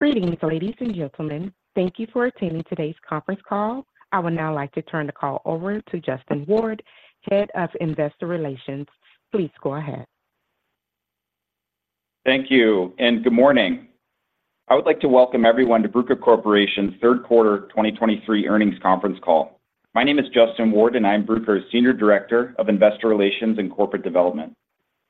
Greetings, ladies and gentlemen. Thank you for attending today's conference call. I would now like to turn the call over to Justin Ward, Head of Investor Relations. Please go ahead. Thank you, and good morning. I would like to welcome everyone to Bruker Corporation's Third Quarter 2023 Earnings Conference Call. My name is Justin Ward, and I'm Bruker's Senior Director of Investor Relations and Corporate Development.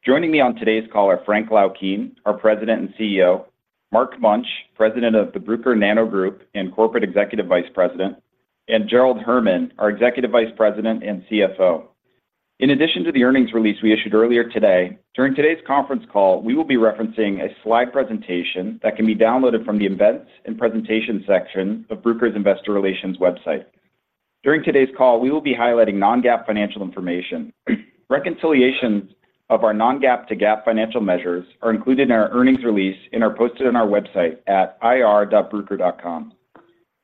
Joining me on today's call are Frank Laukien, our President and CEO, Mark Munch, President of the Bruker Nano Group and Corporate Executive Vice President, and Gerald Herman, our Executive Vice President and CFO. In addition to the earnings release we issued earlier today, during today's conference call, we will be referencing a slide presentation that can be downloaded from the Events and Presentation section of Bruker's Investor Relations website. During today's call, we will be highlighting non-GAAP financial information. Reconciliations of our non-GAAP to GAAP financial measures are included in our earnings release and are posted on our website at ir.bruker.com.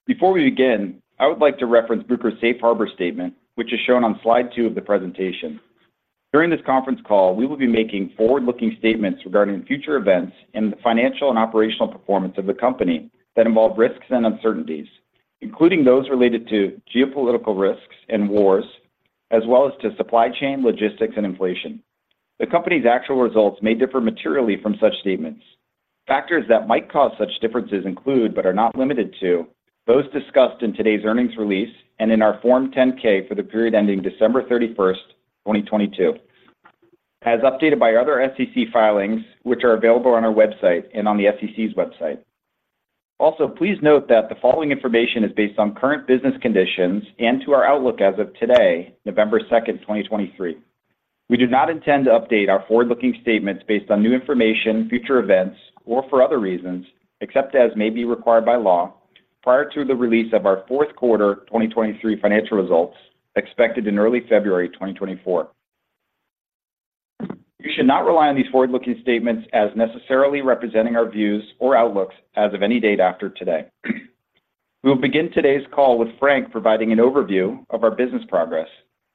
Before we begin, I would like to reference Bruker's Safe Harbor Statement, which is shown on Slide two of the presentation. During this conference call, we will be making forward-looking statements regarding future events and the financial and operational performance of the company that involve risks and uncertainties, including those related to geopolitical risks and wars, as well as to supply chain, logistics, and inflation. The company's actual results may differ materially from such statements. Factors that might cause such differences include, but are not limited to, those discussed in today's earnings release and in our Form 10-K for the period ending December 31st, 2022, as updated by our other SEC filings, which are available on our website and on the SEC's website. Also, please note that the following information is based on current business conditions and to our outlook as of today, November 2nd, 2023. We do not intend to update our forward-looking statements based on new information, future events, or for other reasons, except as may be required by law, prior to the release of our fourth quarter 2023 financial results, expected in early February 2024. You should not rely on these forward-looking statements as necessarily representing our views or outlooks as of any date after today. We will begin today's call with Frank providing an overview of our business progress.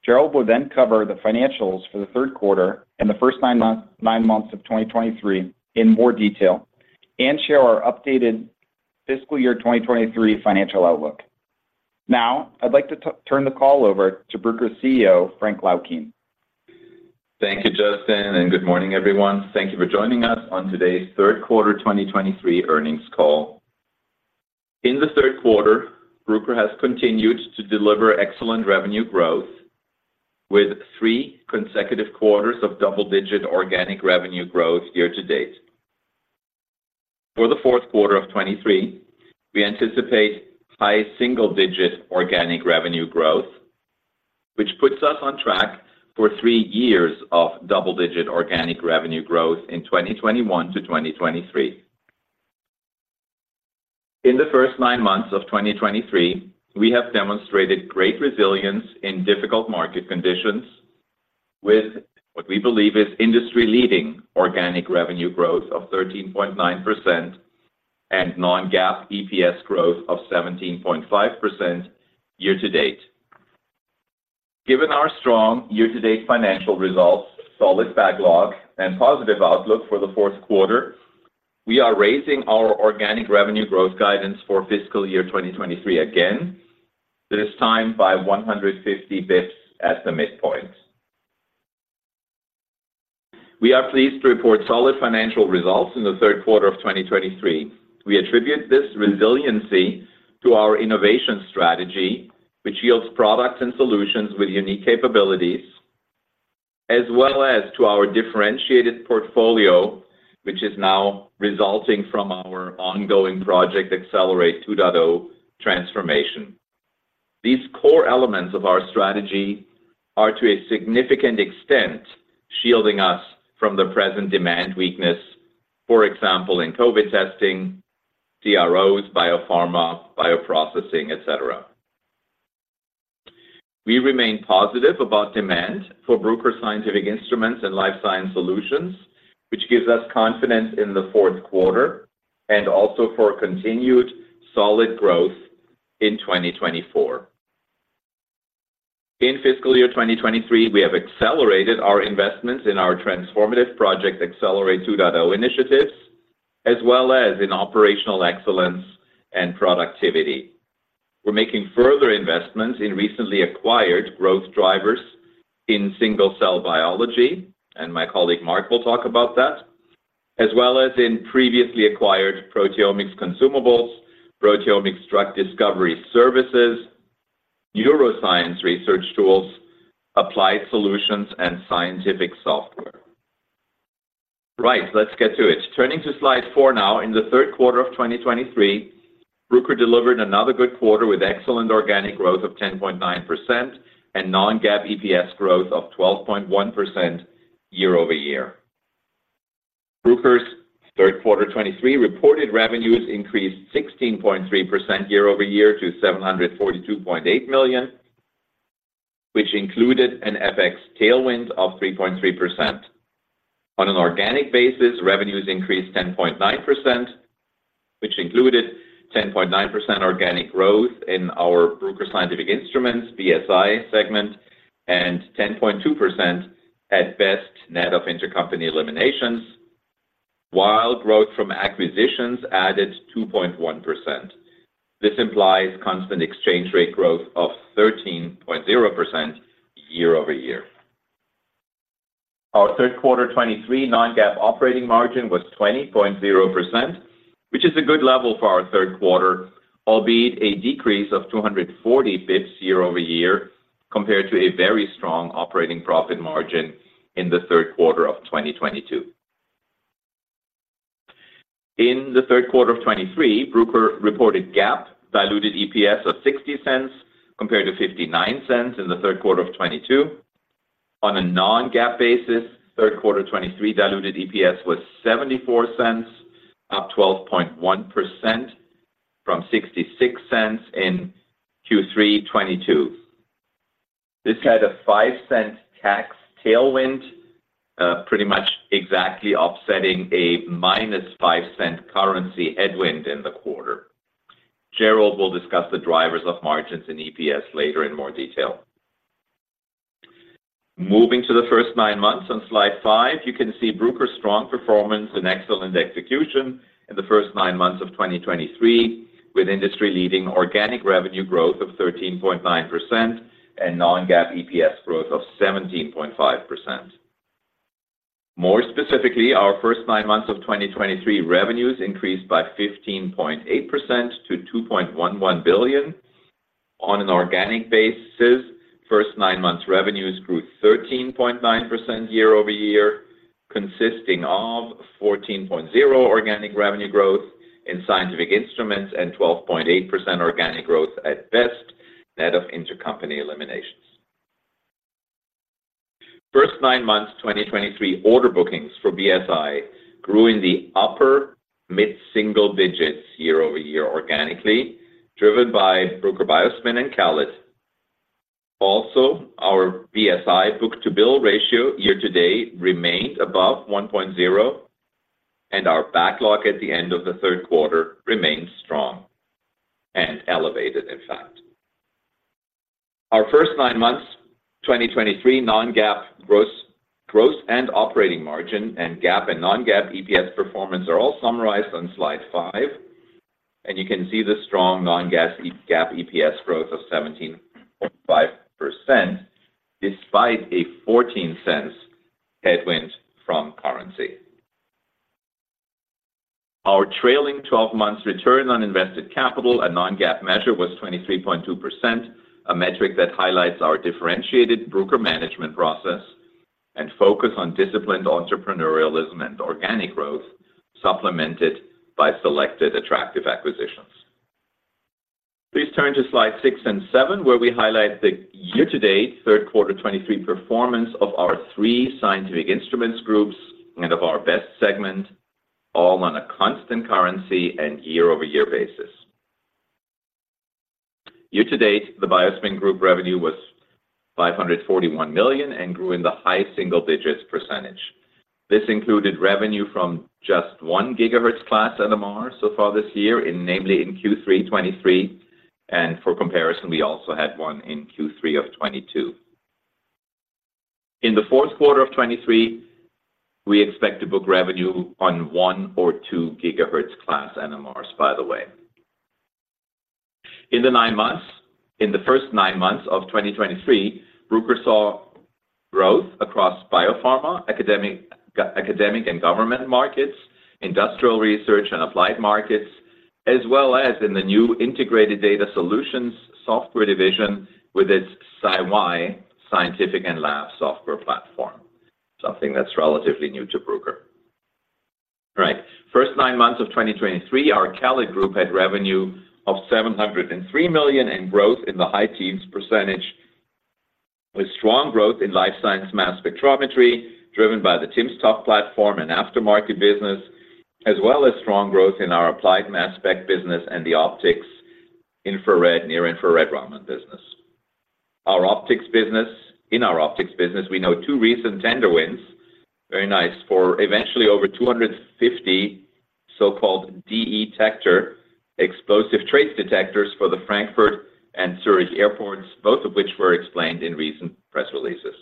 Gerald will then cover the financials for the third quarter and the first nine months, nine months of 2023 in more detail and share our updated fiscal year 2023 financial outlook. Now, I'd like to turn the call over to Bruker's CEO, Frank Laukien. Thank you, Justin, and good morning, everyone. Thank you for joining us on today's third quarter 2023 earnings call. In the third quarter, Bruker has continued to deliver excellent revenue growth, with three consecutive quarters of double-digit organic revenue growth year-to-date. For the fourth quarter of 2023, we anticipate high single-digit organic revenue growth, which puts us on track for three years of double-digit organic revenue growth in 2021-2023. In the first nine months of 2023, we have demonstrated great resilience in difficult market conditions with what we believe is industry-leading organic revenue growth of 13.9% and non-GAAP EPS growth of 17.5% year-to-date. Given our strong year-to-date financial results, solid backlog, and positive outlook for the fourth quarter, we are raising our organic revenue growth guidance for fiscal year 2023 again, this time by 150 bps at the midpoint. We are pleased to report solid financial results in the third quarter of 2023. We attribute this resiliency to our innovation strategy, which yields products and solutions with unique capabilities, as well as to our differentiated portfolio, which is now resulting from our ongoing Project Accelerate 2.0 transformation. These core elements of our strategy are, to a significant extent, shielding us from the present demand weakness, for example, in COVID testing, CROs, biopharma, bioprocessing, et cetera. We remain positive about demand for Bruker scientific instruments and life science solutions, which gives us confidence in the fourth quarter and also for continued solid growth in 2024. In fiscal year 2023, we have accelerated our investments in our transformative Project Accelerate 2.0 initiatives, as well as in operational excellence and productivity. We're making further investments in recently acquired growth drivers in single-cell biology, and my colleague, Mark, will talk about that, as well as in previously acquired proteomics consumables, proteomics drug discovery services, neuroscience research tools, applied solutions, and scientific software. Right, let's get to it. Turning to Slide four now. In the third quarter of 2023, Bruker delivered another good quarter with excellent organic growth of 10.9% and non-GAAP EPS growth of 12.1% year-over-year. Bruker's third quarter 2023 reported revenues increased 16.3% year-over-year to $742.8 million, which included an FX tailwind of 3.3%. On an organic basis, revenues increased 10.9%, which included 10.9% organic growth in our Bruker Scientific Instruments, BSI, segment and 10.2% at BEST, net of intercompany eliminations, while growth from acquisitions added 2.1%. This implies constant exchange rate growth of 13.0% year-over-year. Our third quarter 2023 non-GAAP operating margin was 20.0%, which is a good level for our third quarter, albeit a decrease of 240 bps year-over-year, compared to a very strong operating profit margin in the third quarter of 2022. In the third quarter of 2023, Bruker reported GAAP diluted EPS of $0.60, compared to $0.59 in the third quarter of 2022. On a non-GAAP basis, third quarter 2023 diluted EPS was $0.74, up 12.1% from $0.66 in Q3 2022. This had a $0.05 tax tailwind, pretty much exactly offsetting a -$0.05 currency headwind in the quarter. Gerald will discuss the drivers of margins and EPS later in more detail. Moving to the first nine months on Slide five, you can see Bruker's strong performance and excellent execution in the first nine months of 2023, with industry-leading organic revenue growth of 13.9% and non-GAAP EPS growth of 17.5%. More specifically, our first nine months of 2023 revenues increased by 15.8% to $2.11 billion. On an organic basis, first nine months revenues grew 13.9% year-over-year, consisting of 14.0 organic revenue growth in scientific instruments and 12.8% organic growth at BEST, net of intercompany eliminations. First nine months, 2023 order bookings for BSI grew in the upper mid-single digits year-over-year organically, driven by Bruker BioSpin and CALID. Also, our BSI book-to-bill ratio year-to-date remained above 1.0, and our backlog at the end of the third quarter remained strong and elevated, in fact. Our first nine months, 2023 non-GAAP gross, gross and operating margin and GAAP and non-GAAP EPS performance are all summarized on slide 5, and you can see the strong non-GAAP, GAAP EPS growth of 17.5%, despite a $0.14 headwind from currency. Our trailing 12-months return on invested capital, a non-GAAP measure, was 23.2%, a metric that highlights our differentiated Bruker management process and focus on disciplined entrepreneurialism and organic growth, supplemented by selected attractive acquisitions. Please turn to Slide six and seven, where we highlight the year-to-date third quarter 2023 performance of our three scientific instruments groups and of our BEST segment, all on a constant-currency and year-over-year basis. Year-to-date, the BioSpin Group revenue was $541 million and grew in the high single-digits percentage. This included revenue from just 1 GHz-class NMR so far this year, namely in Q3 2023, and for comparison, we also had one in Q3 of 2022. In the fourth quarter of 2023, we expect to book revenue on 1.2 GHz-class NMRs, by the way. In the first nine months of 2023, Bruker saw growth across biopharma, academic and government markets, industrial research and applied markets, as well as in the new integrated data solutions software division with its SciY scientific and lab software platform, something that's relatively new to Bruker. All right, first nine months of 2023, our CALID group had revenue of $703 million and growth in the high teens percentage, with strong growth in life science mass spectrometry, driven by the timsTOF platform and Aftermarket business, as well as strong growth in our Applied Mass Spec business and the Optics Infrared, Near-Infrared Raman business. Our Optics business. In our Optics business, we won two recent tender wins, very nice, for a total of over 250 so-called DE-tector explosive trace detectors for the Frankfurt and Zurich airports, both of which were explained in recent press releases.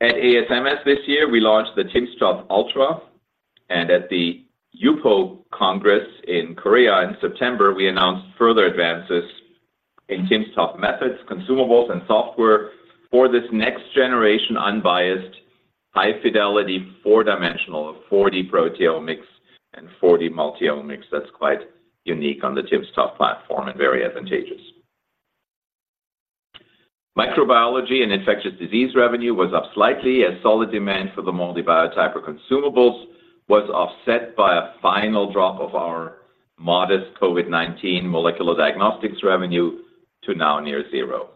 At ASMS this year, we launched the timsTOF Ultra, and at the HUPO Congress in Korea in September, we announced further advances in timsTOF methods, consumables, and software for this next generation, unbiased, high-fidelity, four-dimensional, 4D proteomics and 4D multi-omics. That's quite unique on the timsTOF platform and very advantageous. Microbiology and infectious disease revenue was up slightly as solid demand for the MALDI Biotyper consumables was offset by a final drop of our modest COVID-19 molecular diagnostics revenue to now near zero.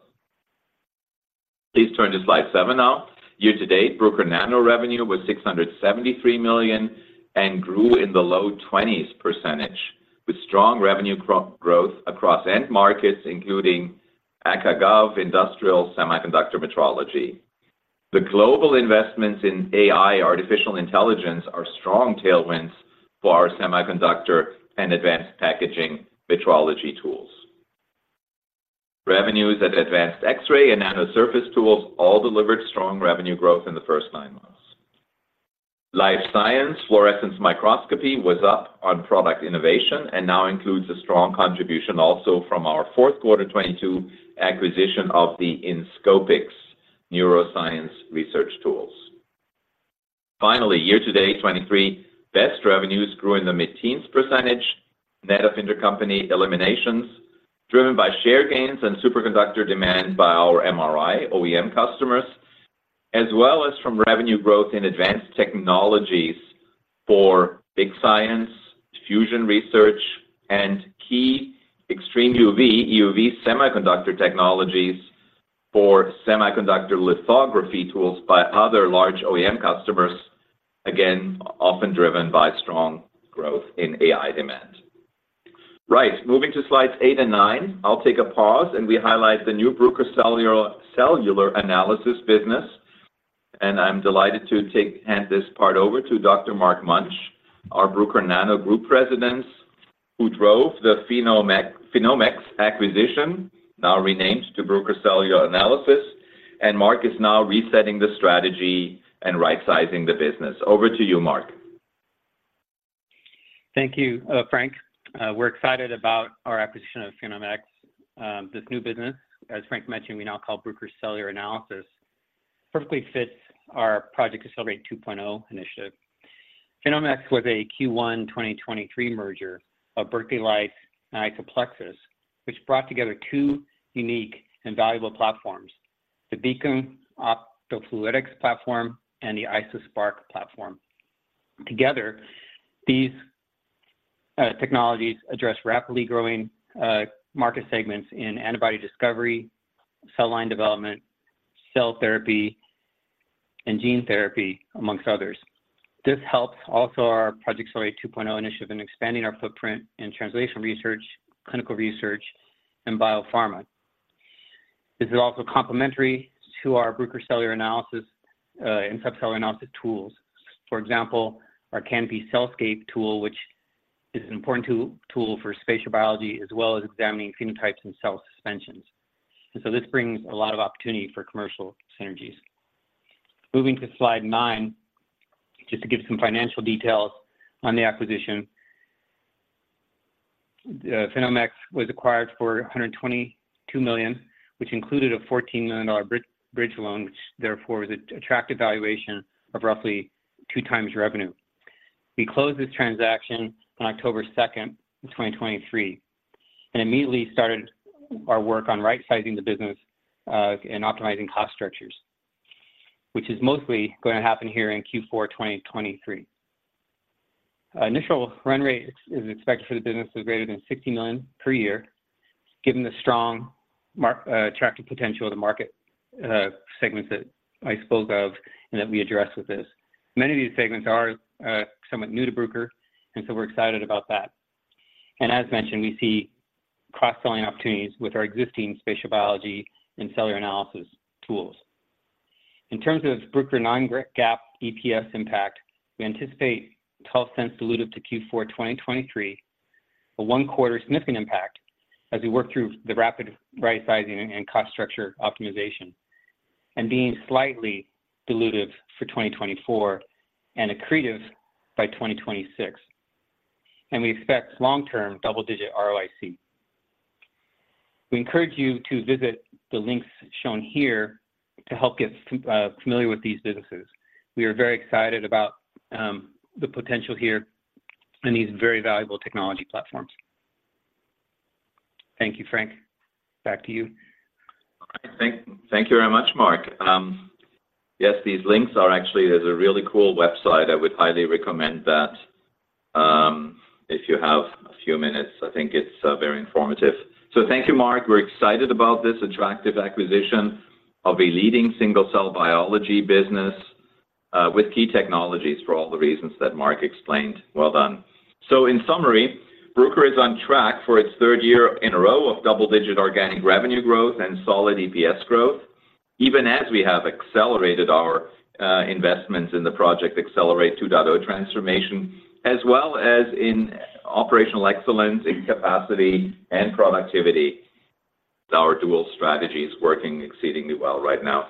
Please turn to Slide seven now. Year-to-date Bruker Nano revenue was $673 million and grew in the low 20s%, with strong revenue growth across end markets, including ACA/ GOV, industrial, semiconductor metrology. The global investments in AI, artificial intelligence, are strong tailwinds for our semiconductor and advanced packaging metrology tools. Revenues at advanced X-ray and nano surface tools all delivered strong revenue growth in the first nine months. Life science fluorescence microscopy was up on product innovation and now includes a strong contribution also from our fourth quarter 2022 acquisition of the Inscopix Neuroscience Research Tools. Finally, year-to-date 2023 BEST revenues grew in the mid-teens% net of intercompany eliminations, driven by share gains and superconductor demand by our MRI OEM customers, as well as from revenue growth in advanced technologies for big science, fusion research, and key extreme UV, EUV semiconductor technologies for semiconductor lithography tools by other large OEM customers, again, often driven by strong growth in AI demand. Right, moving to Slides eight and nine, I'll take a pause, and we highlight the new Bruker Cellular Analysis business. And I'm delighted to hand this part over to Dr. Mark Munch, our Bruker Nano Group President, who drove the PhenomeX, PhenomeX acquisition, now renamed to Bruker Cellular Analysis, and Mark is now resetting the strategy and right-sizing the business. Over to you, Mark. Thank you, Frank. We're excited about our acquisition of PhenomeX. This new business, as Frank mentioned, we now call Bruker Cellular Analysis, perfectly fits our Project Accelerate 2.0 initiative. PhenomeX was a Q1 2023 merger of Berkeley Lights and IsoPlexis, which brought together two unique and valuable platforms, the Beacon optofluidics platform and the IsoSpark platform. Together, these technologies address rapidly growing market segments in antibody discovery, cell line development, cell therapy, and gene therapy, among others. This helps also our Project Accelerate 2.0 initiative in expanding our footprint in translation research, clinical research, and biopharma. This is also complementary to our Bruker cellular analysis and subcellular analysis tools. For example, our Canopy CellScape tool, which is an important tool for spatial biology, as well as examining phenotypes and cell suspensions. So this brings a lot of opportunity for commercial synergies. Moving to Slide nine, just to give some financial details on the acquisition. PhenomeX was acquired for $122 million, which included a $14 million bridge loan, which therefore was an attractive valuation of roughly 2x revenue. We closed this transaction on October 2nd, 2023, and immediately started our work on right-sizing the business, and optimizing cost structures, which is mostly going to happen here in Q4 2023. Initial run rate is expected for the business is greater than $60 million per year, given the strong market, attractive potential of the market segments that I spoke of and that we address with this. Many of these segments are, somewhat new to Bruker, and so we're excited about that. As mentioned, we see cross-selling opportunities with our existing spatial biology and Cellular Analysis tools. In terms of Bruker non-GAAP EPS impact, we anticipate $0.12 diluted to Q4 2023, a one-quarter significant impact as we work through the rapid right-sizing and cost structure optimization, and being slightly dilutive for 2024 and accretive by 2026. We expect long-term double-digit ROIC. We encourage you to visit the links shown here to help get familiar with these businesses. We are very excited about the potential here in these very valuable technology platforms. Thank you, Frank. Back to you. Thank you very much, Mark. Yes, these links are actually, there's a really cool website. I would highly recommend that, if you have a few minutes, I think it's very informative. So thank you, Mark. We're excited about this attractive acquisition of a leading Single-Cell Biology business with key technologies for all the reasons that Mark explained. Well done. So in summary, Bruker is on track for its third year in a row of double-digit organic revenue growth and solid EPS growth, even as we have accelerated our investments in the Project Accelerate 2.0 transformation, as well as in operational excellence, in capacity and productivity. Our dual strategy is working exceedingly well right now.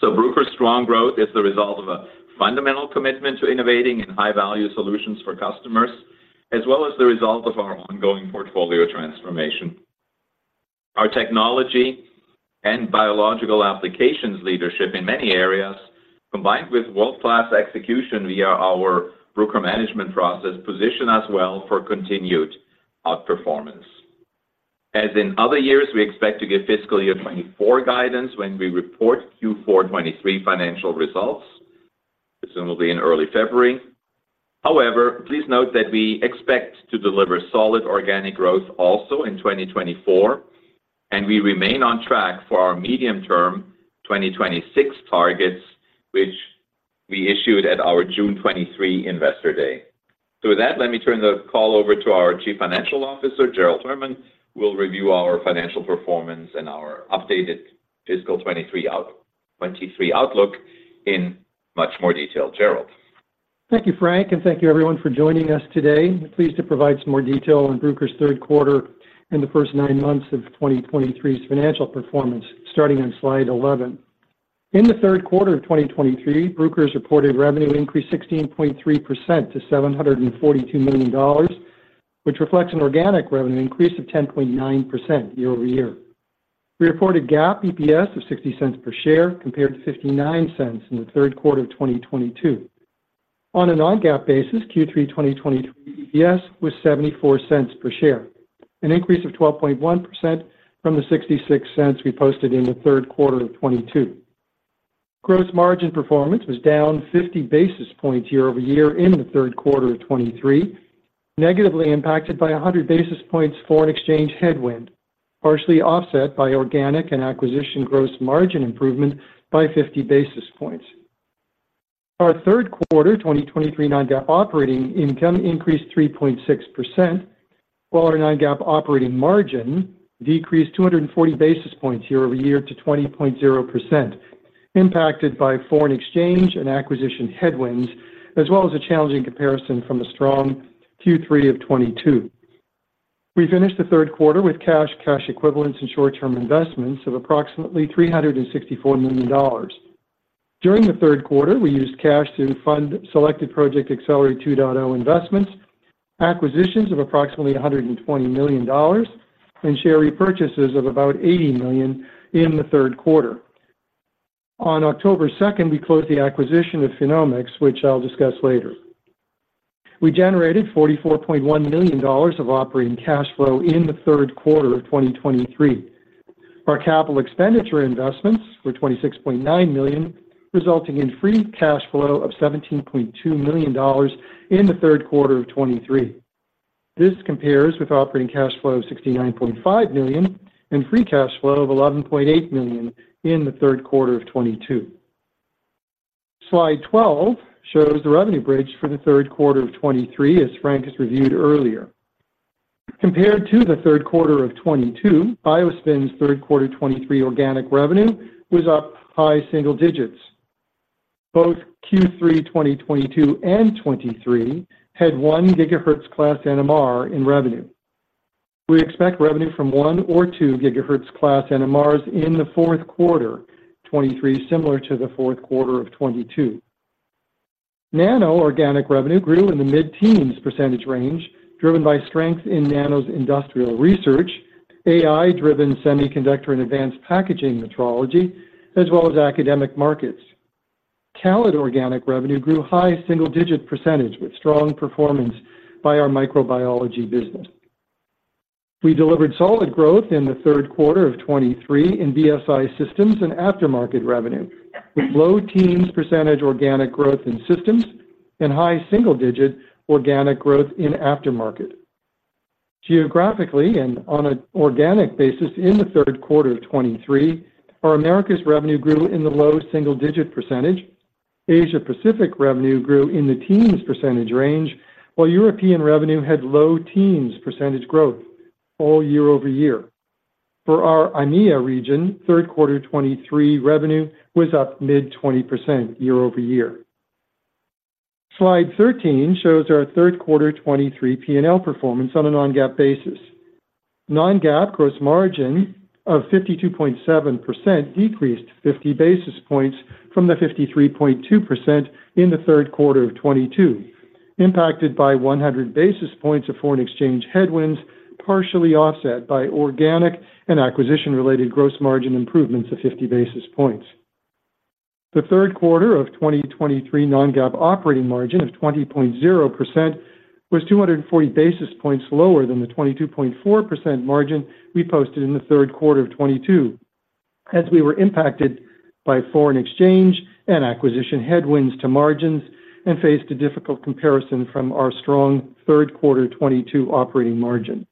So Bruker's strong growth is the result of a fundamental commitment to innovating and high-value solutions for customers, as well as the result of our ongoing portfolio transformation. Our technology and biological applications leadership in many areas, combined with world-class execution via our Bruker management process, position us well for continued outperformance. As in other years, we expect to give fiscal year 2024 guidance when we report Q4 2023 financial results, presumably in early February. However, please note that we expect to deliver solid organic growth also in 2024, and we remain on track for our medium-term 2026 targets, which we issued at our June 2023 Investor Day. So with that, let me turn the call over to our Chief Financial Officer, Gerald Herman, who will review our financial performance and our updated fiscal 2023 outlook in much more detail. Gerald? Thank you, Frank, and thank you everyone for joining us today. I'm pleased to provide some more detail on Bruker's third quarter and the first nine months of 2023's financial performance, starting on Slide 11. In the third quarter of 2023, Bruker's reported revenue increased 16.3% to $742 million, which reflects an organic revenue increase of 10.9% year-over-year. We reported GAAP EPS of $0.60 per share, compared to $0.59 in the third quarter of 2022. On a non-GAAP basis, Q3 2023 EPS was $0.74 per share, an increase of 12.1% from the $0.66 we posted in the third quarter of 2022. Gross margin performance was down 50 basis points year-over-year in the third quarter of 2023, negatively impacted by 100 basis points foreign exchange headwind, partially offset by organic and acquisition gross margin improvement by 50 basis points. Our third quarter 2023 non-GAAP operating income increased 3.6%, while our non-GAAP operating margin decreased 240 basis points year-over-year to 20.0%, impacted by foreign exchange and acquisition headwinds, as well as a challenging comparison from the strong Q3 of 2022. We finished the third quarter with cash, cash equivalents and short-term investments of approximately $364 million. During the third quarter, we used cash to fund selected Project Accelerate 2.0 investments, acquisitions of approximately $120 million, and share repurchases of about $80 million in the third quarter. On October 2nd, we closed the acquisition of PhenomeX, which I'll discuss later. We generated $44.1 million of operating cash flow in the third quarter of 2023. Our capital expenditure investments were $26.9 million, resulting in free cash flow of $17.2 million in the third quarter of 2023. This compares with operating cash flow of $69.5 million and free cash flow of $11.8 million in the third quarter of 2022. Slide 12 shows the revenue bridge for the third quarter of 2023, as Frank just reviewed earlier. Compared to the third quarter of 2022, BioSpin's third quarter 2023 organic revenue was up high single digits. Both Q3 2022 and 2023 had 1 GHz class NMR in revenue. We expect revenue from 1 or 2 GHz class NMRs in the fourth quarter, 2023, similar to the fourth quarter of 2022. Nano organic revenue grew in the mid-teens percentage range, driven by strength in Nano's industrial research, AI-driven semiconductor and advanced packaging metrology, as well as academic markets. CALID organic revenue grew high single-digit %, with strong performance by our Microbiology business. We delivered solid growth in the third quarter of 2023 in BSI Systems and Aftermarket revenue, with low teens percentage organic growth in systems and high single-digit organic growth in aftermarket. Geographically and on an organic basis in the third quarter of 2023, our Americas revenue grew in the low single-digit percentage. Asia-Pacific revenue grew in the teens percentage range, while European revenue had low teens percentage growth all year-over-year. For our EMEA region, third quarter 2023 revenue was up mid-20% year-over-year. Slide 13 shows our third quarter 2023 P&L performance on a non-GAAP basis. Non-GAAP gross margin of 52.7% decreased 50 basis points from the 53.2% in the third quarter of 2022, impacted by 100 basis points of foreign exchange headwinds, partially offset by organic and acquisition-related gross margin improvements of 50 basis points. The third quarter of 2023 non-GAAP operating margin of 20.0% was 240 basis points lower than the 22.4% margin we posted in the third quarter of 2022, as we were impacted by foreign exchange and acquisition headwinds to margins and faced a difficult comparison from our strong third quarter 2022 operating margin.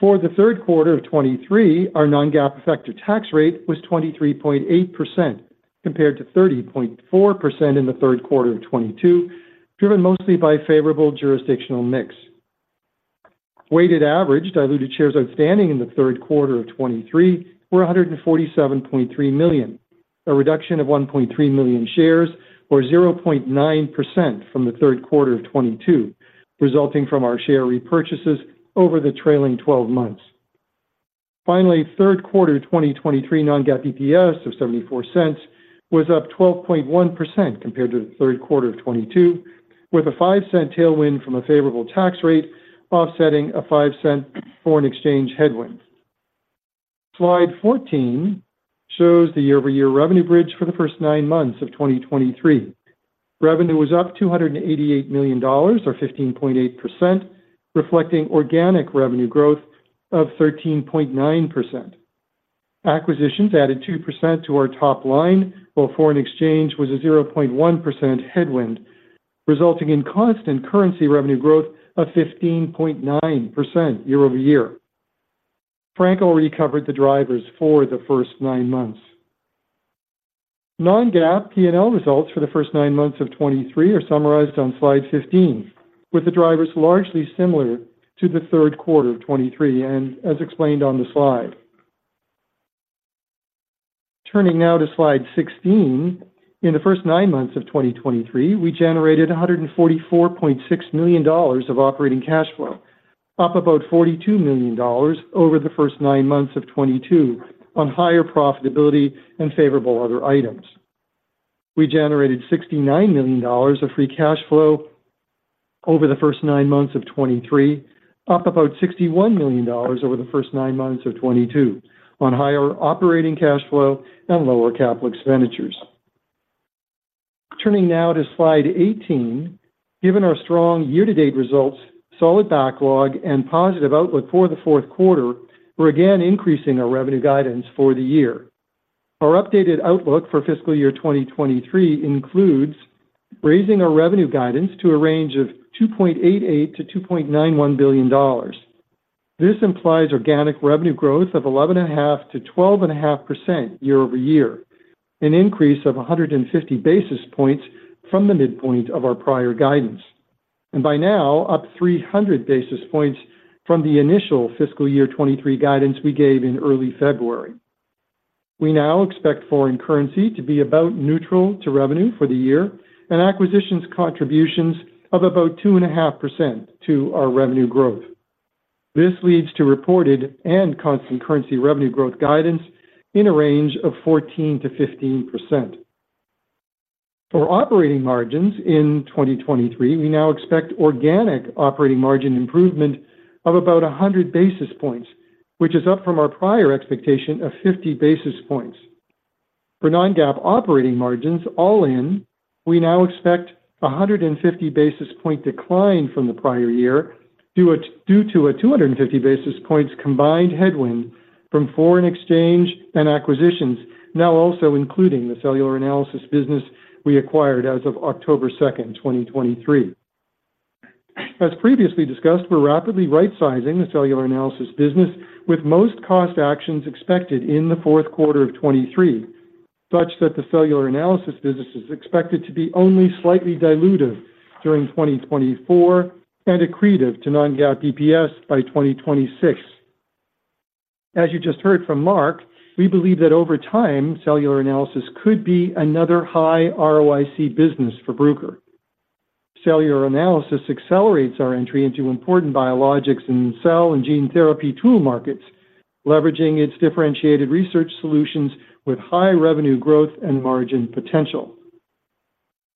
For the third quarter of 2023, our non-GAAP effective tax rate was 23.8%, compared to 30.4% in the third quarter of 2022, driven mostly by favorable jurisdictional mix. Weighted average diluted shares outstanding in the third quarter of 2023 were 147.3 million, a reduction of 1.3 million shares or 0.9% from the third quarter of 2022, resulting from our share repurchases over the trailing twelve months. Finally, third quarter 2023 non-GAAP EPS of $0.74 was up 12.1% compared to the third quarter of 2022, with a $0.05 tailwind from a favorable tax rate offsetting a $0.05 foreign exchange headwind. Slide 14 shows the year-over-year revenue bridge for the first nine months of 2023. Revenue was up $288 million, or 15.8%, reflecting organic revenue growth of 13.9%. Acquisitions added 2% to our top line, while foreign exchange was a 0.1% headwind, resulting in constant currency revenue growth of 15.9% year-over-year. Frank already covered the drivers for the first nine months. Non-GAAP P&L results for the first nine months of 2023 are summarized on Slide 15, with the drivers largely similar to the third quarter of 2023 and as explained on the slide. Turning now to Slide 16, in the first nine months of 2023, we generated $144.6 million of operating cash flow, up about $42 million over the first nine months of 2022 on higher profitability and favorable other items. We generated $69 million of free cash flow over the first nine months of 2023, up about $61 million over the first nine months of 2022 on higher operating cash flow and lower capital expenditures. Turning now to Slide 18, given our strong year-to-date results, solid backlog, and positive outlook for the fourth quarter, we're again increasing our revenue guidance for the year. Our updated outlook for fiscal year 2023 includes raising our revenue guidance to a range of $2.88 billion-$2.91 billion. This implies organic revenue growth of 11.5%-12.5% year-over-year, an increase of 150 basis points from the midpoint of our prior guidance, and by now, up 300 basis points from the initial fiscal year 2023 guidance we gave in early February. We now expect foreign currency to be about neutral to revenue for the year and acquisitions contributions of about 2.5% to our revenue growth. This leads to reported and constant currency revenue growth guidance in a range of 14%-15%. For operating margins in 2023, we now expect organic operating margin improvement of about 100 basis points, which is up from our prior expectation of 50 basis points. For non-GAAP operating margins, all in, we now expect 150 basis point decline from the prior year, due to a 250 basis points combined headwind from foreign exchange and acquisitions, now also including the Cellular Analysis business we acquired as of October 2nd, 2023. As previously discussed, we're rapidly rightsizing the Cellular Analysis business, with most cost actions expected in the fourth quarter of 2023, such that the Cellular Analysis business is expected to be only slightly dilutive during 2024 and accretive to non-GAAP EPS by 2026. As you just heard from Mark, we believe that over time, Cellular Analysis could be another high ROIC business for Bruker. Cellular Analysis accelerates our entry into important biologics and cell and gene therapy tool markets, leveraging its differentiated research solutions with high revenue growth and margin potential.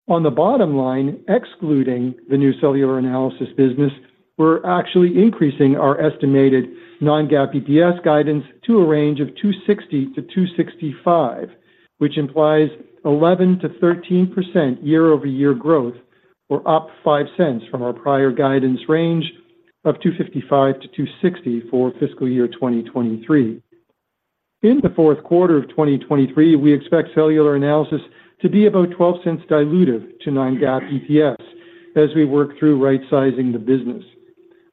On the bottom line, excluding the new Cellular Analysis business, we're actually increasing our estimated non-GAAP EPS guidance to a range of $2.60-$2.65, which implies 11%-13% year-over-year growth, or up $0.05 from our prior guidance range of $2.55-$2.60 for fiscal year 2023. In the fourth quarter of 2023, we expect Cellular Analysis to be about $0.12 dilutive to non-GAAP EPS as we work through rightsizing the business.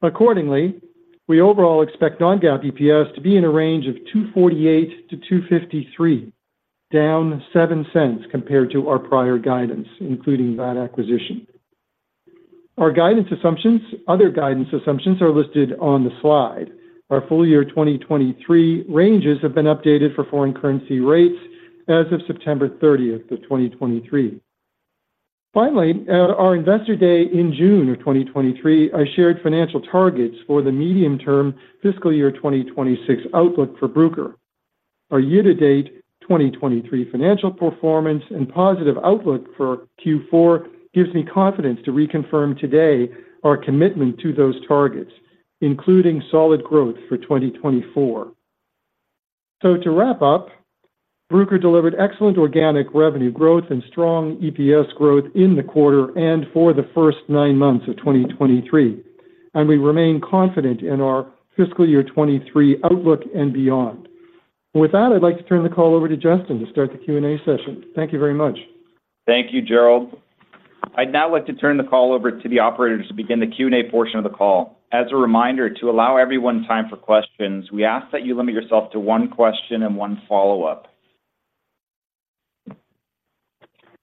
Accordingly, we overall expect non-GAAP EPS to be in a range of $2.48-$2.53, down $0.07 compared to our prior guidance, including that acquisition. Our guidance assumptions, other guidance assumptions are listed on the slide. Our full year 2023 ranges have been updated for foreign currency rates as of September 30th of 2023. Finally, at our Investor Day in June of 2023, I shared financial targets for the medium-term fiscal year 2026 outlook for Bruker. Our year-to-date 2023 financial performance and positive outlook for Q4 gives me confidence to reconfirm today our commitment to those targets, including solid growth for 2024. So to wrap up, Bruker delivered excellent organic revenue growth and strong EPS growth in the quarter and for the first nine months of 2023, and we remain confident in our fiscal year 2023 outlook and beyond. With that, I'd like to turn the call over to Justin to start the Q&A session. Thank you very much. Thank you, Gerald. I'd now like to turn the call over to the operators to begin the Q&A portion of the call. As a reminder, to allow everyone time for questions, we ask that you limit yourself to one question and one follow-up.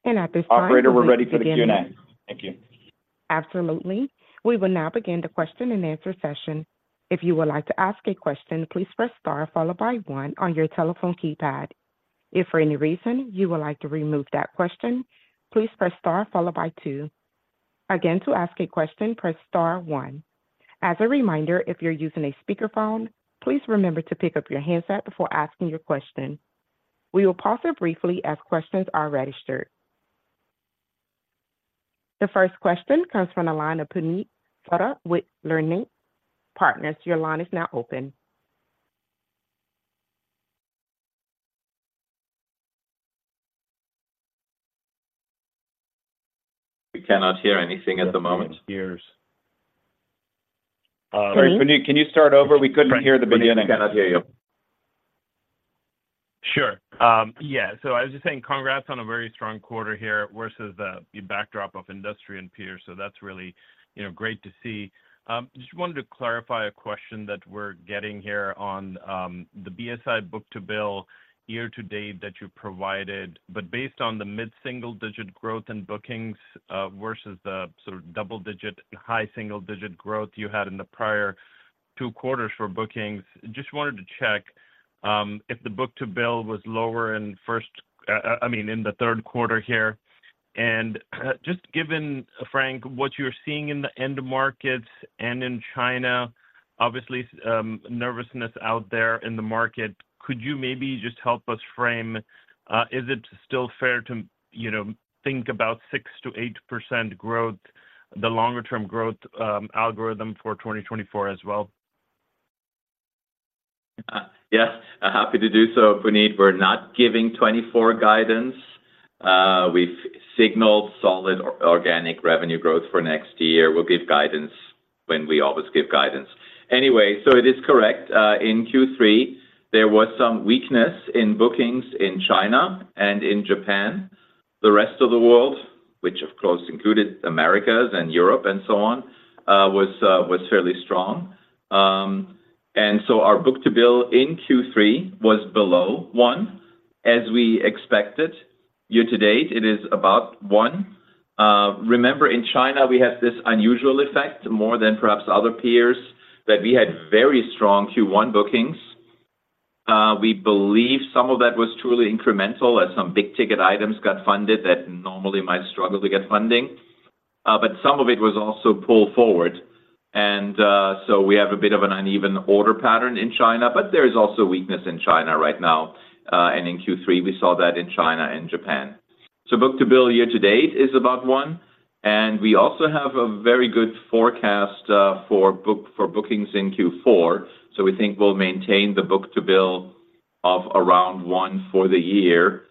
And at this time- Operator, we're ready for the Q&A. Thank you. Absolutely. We will now begin the question-and-answer session. If you would like to ask a question, please press star followed by one on your telephone keypad. If for any reason you would like to remove that question, please press star followed by two. Again, to ask a question, press star one. As a reminder, if you're using a speakerphone, please remember to pick up your handset before asking your question. We will pause here briefly as questions are registered. The first question comes from the line of Puneet Souda with Leerink Partners. Your line is now open. We cannot hear anything at the moment. Hears, uh- Sorry, Puneet, can you start over? We couldn't hear the beginning. Puneet, we cannot hear you. Sure. Yeah, so I was just saying congrats on a very strong quarter here, versus the backdrop of industry and peers. So that's really, you know, great to see. Just wanted to clarify a question that we're getting here on the BSI book-to-bill year-to-date that you provided, but based on the mid-single-digit growth in bookings, versus the sort of double-digit, high single-digit growth you had in the prior two quarters for bookings. Just wanted to check if the book-to-bill was lower in, I mean, the third quarter here. Just given, Frank, what you're seeing in the end markets and in China, obviously, nervousness out there in the market, could you maybe just help us frame, is it still fair to, you know, think about 6%-8% growth, the longer term growth, algorithm for 2024 as well? Yes, happy to do so, Puneet. We're not giving 2024 guidance. We've signaled solid organic revenue growth for next year. We'll give guidance when we always give guidance. Anyway, so it is correct. In Q3, there was some weakness in bookings in China and in Japan. The Rest-of-the-World, which of course included Americas and Europe and so on, was fairly strong. So our book-to-bill in Q3 was below 1, as we expected. year-to-date, it is about 1. Remember, in China, we had this unusual effect, more than perhaps other peers, that we had very strong Q1 bookings. We believe some of that was truly incremental, as some big-ticket items got funded that normally might struggle to get funding, but some of it was also pulled forward. So we have a bit of an uneven order pattern in China, but there is also weakness in China right now. In Q3, we saw that in China and Japan. So book-to-bill year-to-date is about 1, and we also have a very good forecast for bookings in Q4, so we think we'll maintain the book-to-bill of around 1 for the year.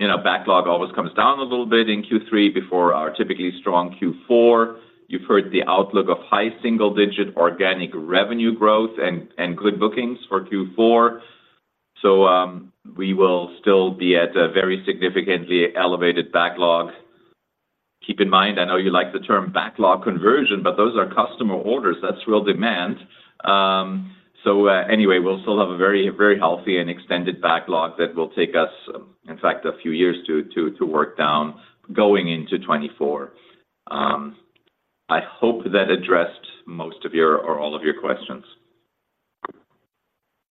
Bbacklog always comes down a little bit in Q3 before our typically strong Q4. You've heard the outlook of high single-digit organic revenue growth and good bookings for Q4. So we will still be at a very significantly elevated backlog. Keep in mind, I know you like the term backlog conversion, but those are customer orders. That's real demand. So, anyway, we'll still have a very, very healthy and extended backlog that will take us, in fact, a few years to work down, going into 2024. I hope that addressed most of your or all of your questions.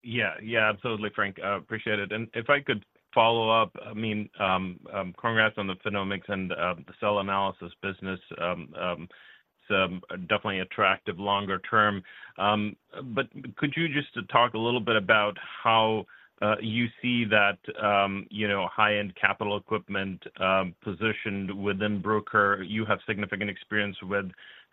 Yeah. Yeah, absolutely, Frank, I appreciate it and if I could follow up, I mean, congrats on the PhenomeX and the Cell Analysis business. It's definitely attractive longer term. But could you just talk a little bit about how you see that, you know, high-end capital equipment positioned within Bruker? You have significant experience with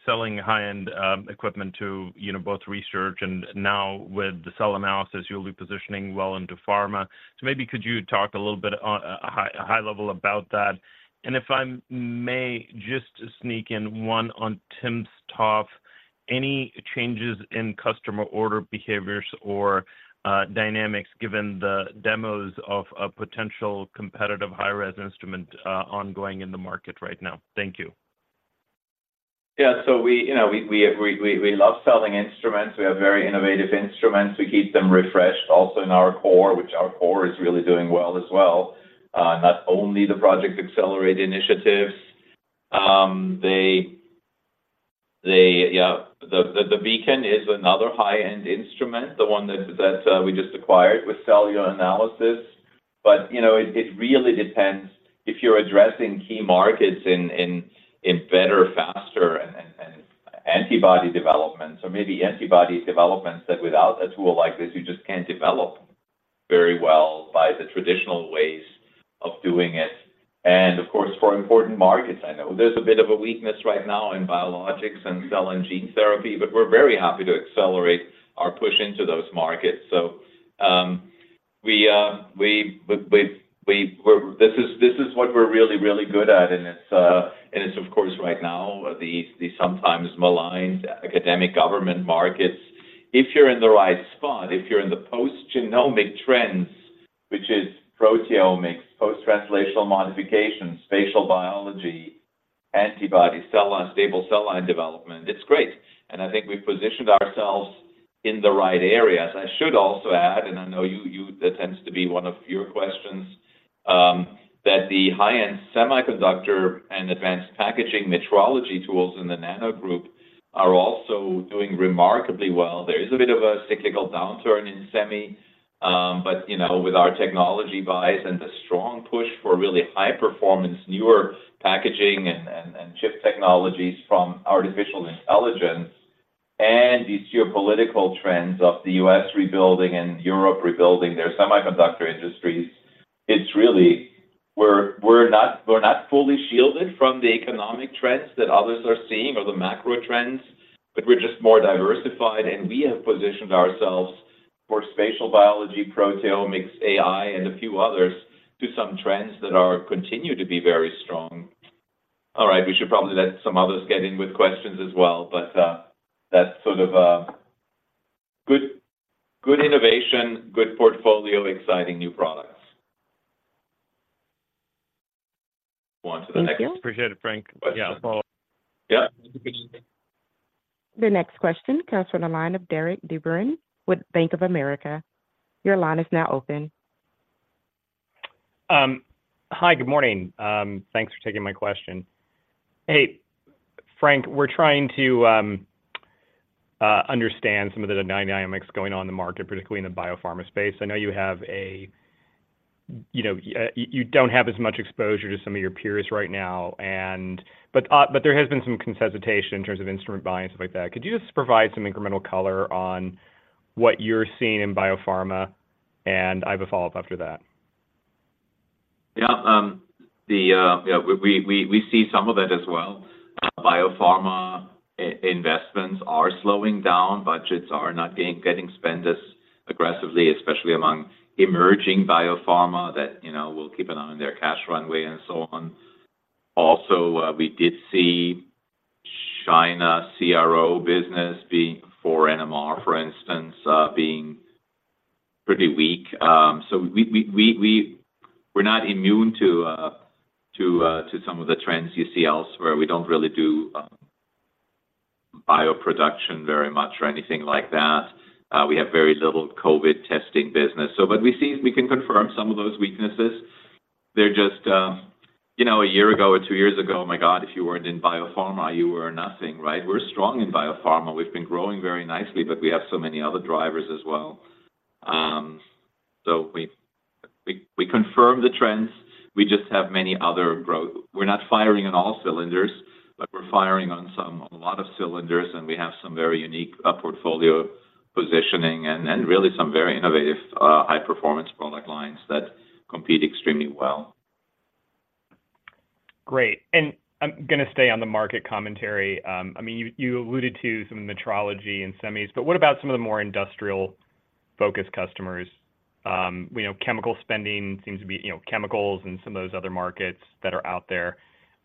selling high-end equipment to, you know, both research and now with the cell analysis, you'll be positioning well into pharma. So maybe could you talk a little bit on a high level about that? And if I may just sneak in one on Tim's talk, any changes in customer order behaviors or dynamics, given the demos of a potential competitive high res instrument ongoing in the market right now? Thank you. Yeah. So we, you know, love selling instruments. We have very innovative instruments. We keep them refreshed also in our core, which our core is really doing well as well. Not only the Project Accelerate initiatives, yeah, the Beacon is another high-end instrument, the one that we just acquired with Cellular Analysis. But, you know, it really depends if you're addressing key markets in better, faster and antibody development, so maybe antibody developments that without a tool like this, you just can't develop very well by the traditional ways of doing it. Of course, for important markets, I know there's a bit of a weakness right now in biologics and cell and gene therapy, but we're very happy to accelerate our push into those markets. So, this is what we're really, really good at, and it's of course, right now, the sometimes maligned academic government markets. If you're in the right spot, if you're in the post-genomic trends, which is proteomics, post-translational modifications, spatial biology, antibody, cell line, stable cell line development, it's great and I think we've positioned ourselves in the right areas. I should also add, and I know you, that tends to be one of your questions, that the high-end semiconductor and advanced packaging metrology tools in the Nano Group are also doing remarkably well. There is a bit of a cyclical downturn in semi, but, you know, with our technology buys and the strong push for really high performance, newer packaging and chip technologies from artificial intelligence and these geopolitical trends of the U.S. rebuilding and Europe rebuilding their semiconductor industries, it's really... We're not fully shielded from the economic trends that others are seeing or the macro trends, but we're just more diversified, and we have positioned ourselves for spatial biology, proteomics, AI, and a few others to some trends that continue to be very strong. All right, we should probably let some others get in with questions as well, but, that's sort of a good innovation, good portfolio, exciting new products. On to the next one. Thank you. Appreciate it, Frank. But yeah, so- Yeah. The next question comes from the line of Derik de Bruin with Bank of America. Your line is now open. Hi, good morning. Thanks for taking my question. Hey, Frank, we're trying to understand some of the dynamics going on in the market, particularly in the biopharma space. I know you have a, you know, you don't have as much exposure to some of your peers right now, but there has been some consultation in terms of instrument buying and stuff like that. Could you just provide some incremental color on what you're seeing in biopharma? I have a follow-up after that. Yeah. Yeah, we see some of it as well. Biopharma investments are slowing down. Budgets are not getting spent as aggressively, especially among emerging biopharma, that, you know, will keep an eye on their cash runway and so on. Also, we did see China CRO business being, for NMR, for instance, being pretty weak. So we, we're not immune to some of the trends you see elsewhere. We don't really do bioproduction very much or anything like that. We have very little COVID testing business, so but we see, we can confirm some of those weaknesses. They're just, you know, a year ago or two years ago, my God, if you weren't in biopharma, you were nothing, right? We're strong in biopharma. We've been growing very nicely, but we have so many other drivers as well. So we confirm the trends. We just have many other growth. We're not firing on all cylinders, but we're firing on some, a lot of cylinders, and we have some very unique portfolio positioning and really some very innovative high-performance product lines that compete extremely well. Great and I'm gonna stay on the market commentary. I mean, you, you alluded to some metrology and semis, but what about some of the more industrial-focused customers? We know chemical spending seems to be, you know, chemicals and some of those other markets that are out there.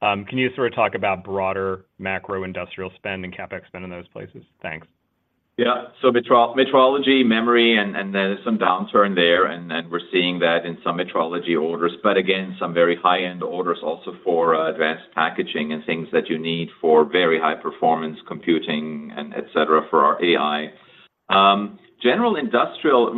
Can you sort of talk about broader macro industrial spend and CapEx spend in those places? Thanks. Yeah. So metrology, memory, and there is some downturn there, and we're seeing that in some metrology orders. But again, some very high-end orders also for advanced packaging and things that you need for very high performance computing and et cetera, for our AI. General industrial,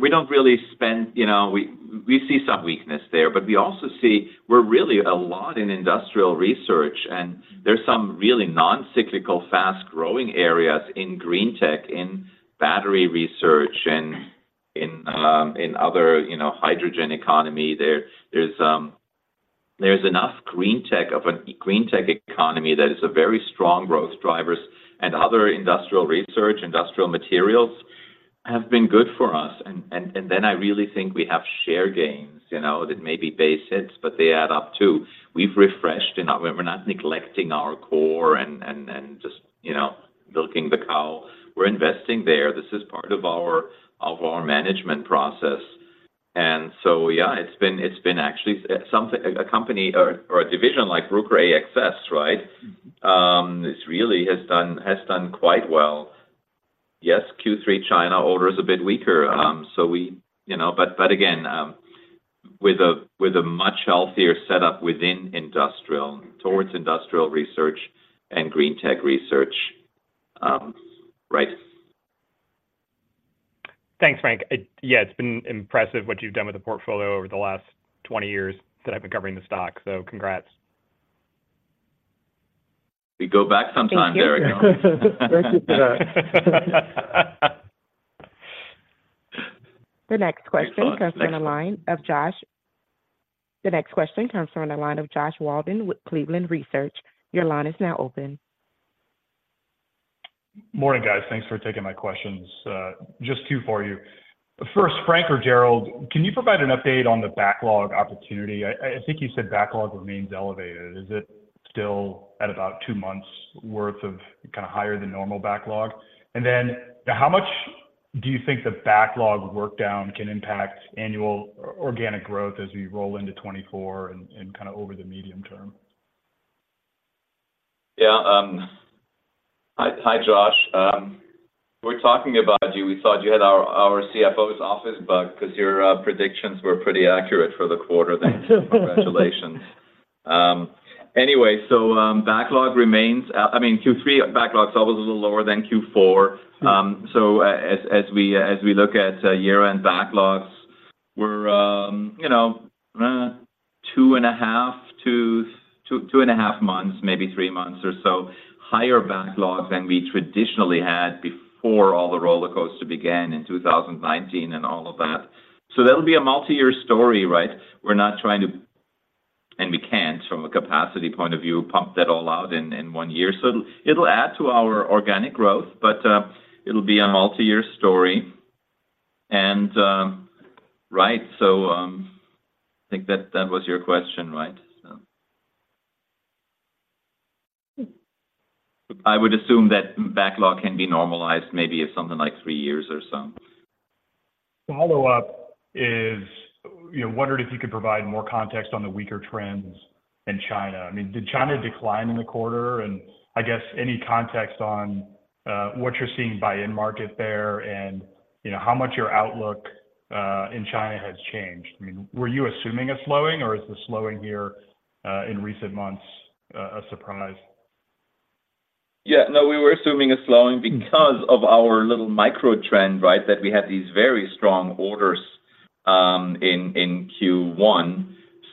we don't really spend, you know—we see some weakness there, but we also see we're really a lot in industrial research, and there's some really non-cyclical, fast-growing areas in green tech, in battery research, and in other, you know, hydrogen economy. There's enough green tech of a green tech economy that is a very strong growth drivers and other industrial research, industrial materials have been good for us. Then I really think we have share gains, you know, that may be base hits, but they add up, too. We've refreshed, and we're not neglecting our core and just, you know, milking the cow. We're investing there, this is part of our management process. So, yeah, it's been actually something, a company or a division like Bruker AXS, right, this really has done quite well. Yes, Q3, China order is a bit weaker, so we... You know, but again, with a much healthier setup within industrial, towards industrial research and green tech research, right. Thanks, Frank. Yeah, it's been impressive what you've done with the portfolio over the last 20 years that I've been covering the stock. So congrats. We go back sometime, Derik. Thank you for that. The next question comes from the line of Josh Waldman with Cleveland Research. Your line is now open. Morning, guys. Thanks for taking my questions. Just two for you. First, Frank or Gerald, can you provide an update on the backlog opportunity? I think you said backlog remains elevated. Is it still at about two months' worth of kind of higher than normal backlog? And then how much do you think the backlog work down can impact annual organic growth as we roll into 2024 and kind of over the medium term? Yeah, hi, hi, Josh. We're talking about you. We thought you had our CFO's office bug, because your predictions were pretty accurate for the quarter. Congratulations. Anyway, backlog remains, I mean, Q3 backlog is always a little lower than Q4. As we look at year-end backlogs, we're, you know, two and a half to two, two and a half months, maybe three months or so, higher backlogs than we traditionally had before all the rollercoaster began in 2019 and all of that. That'll be a multi-year story, right? We're not trying to, and we can't, from a capacity point of view, pump that all out in one year. It'll add to our organic growth, but it'll be a multi-year story. Right, so I think that was your question, right? So I would assume that backlog can be normalized maybe in something like three years or so. Follow-up is, you know, wondered if you could provide more context on the weaker trends in China. I mean, did China decline in the quarter? And I guess any context on, what you're seeing buy-in market there, and, you know, how much your outlook, in China has changed. I mean, were you assuming a slowing, or is the slowing here, in recent months, a surprise? Yeah, no, we were assuming a slowing because of our little micro trend, right? That we had these very strong orders in Q1.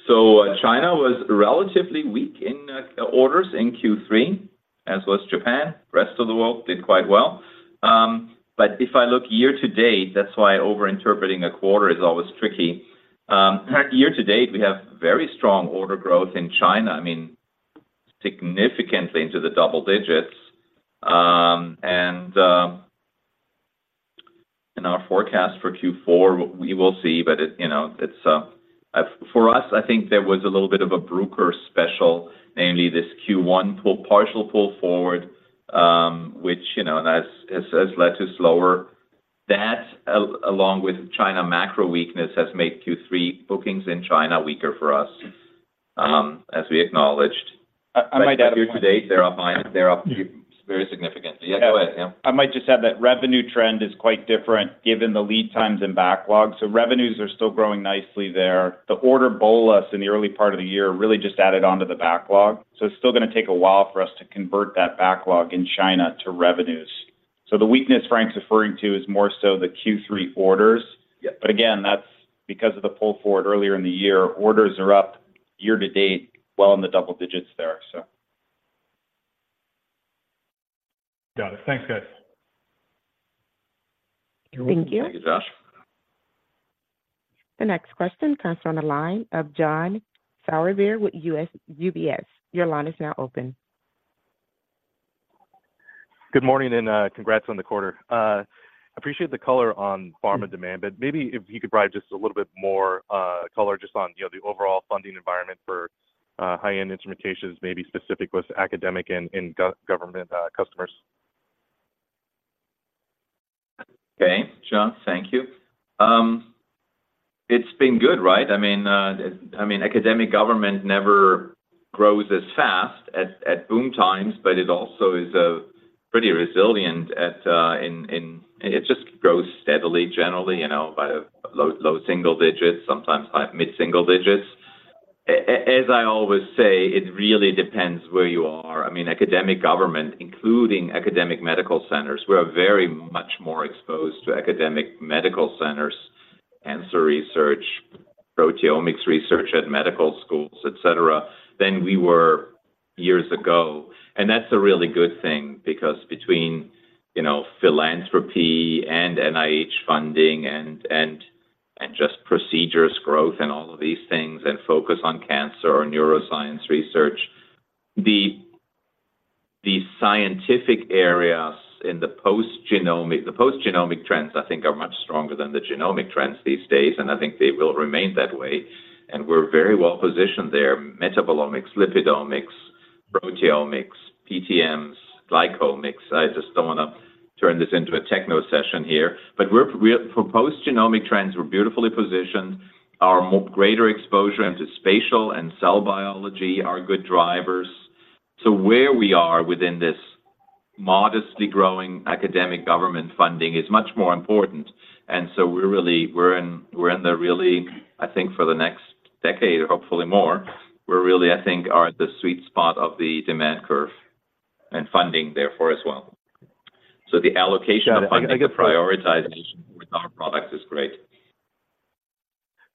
So China was relatively weak in orders in Q3, as was Japan. Rest-of-the-World did quite well, but if I look year-to-date, that's why overinterpreting a quarter is always tricky. Year-to-date, we have very strong order growth in China, I mean, significantly into the double digits and in our forecast for Q4, we will see, but it, you know, it's for us, I think there was a little bit of a Bruker special, namely this Q1 partial pull forward, which, you know, has led to slower. That, along with China macro weakness, has made Q3 bookings in China weaker for us, as we acknowledged. I might add- Year-to-date, they're up, they're up very significantly. Yeah, go ahead, yeah. I might just add that revenue trend is quite different given the lead times in backlog, so revenues are still growing nicely there. The order bolus in the early part of the year really just added on to the backlog, so it's still going to take a while for us to convert that backlog in China to revenues. So the weakness Frank's referring to is more so the Q3 orders. Yeah. But again, that's because of the pull forward earlier in the year. Orders are up year-to-date, well in the double digits there, so. Got it. Thanks, guys. Thank you. Thank you, Josh. The next question comes from the line of John Sourbeer with UBS. Your line is now open. Good morning, and, congrats on the quarter. Appreciate the color on pharma demand, but maybe if you could provide just a little bit more, color just on, you know, the overall funding environment for, high-end instrumentations, maybe specific with academic and government, customers. Okay, John. Thank you. It's been good, right? I mean, I mean, academic government never grows as fast at boom times, but it also is pretty resilient at... In it just grows steadily, generally, you know, by low single digits, sometimes by mid single digits. As I always say, it really depends where you are. I mean, academic government, including academic medical centers. We are very much more exposed to academic medical centers, cancer research, proteomics research at medical schools, et cetera, than we were years ago. That's a really good thing because between, you know, philanthropy and NIH funding and just procedures growth and all of these things, and focus on cancer or neuroscience research, the scientific areas in the post-genomic trends, I think, are much stronger than the genomic trends these days, and I think they will remain that way and we're very well positioned there, metabolomics, lipidomics, proteomics, PTMs, glycomics. I just don't want to turn this into a techno session here, but we're for post-genomic trends, we're beautifully positioned. Our greater exposure into spatial and cell biology are good drivers. So where we are within this modestly growing academic government funding is much more important. We're really, we're in, we're in the really, I think for the next decade, hopefully more, we're really, I think, are at the sweet spot of the demand curve and funding therefore, as well. The allocation of funding and prioritization with our products is great.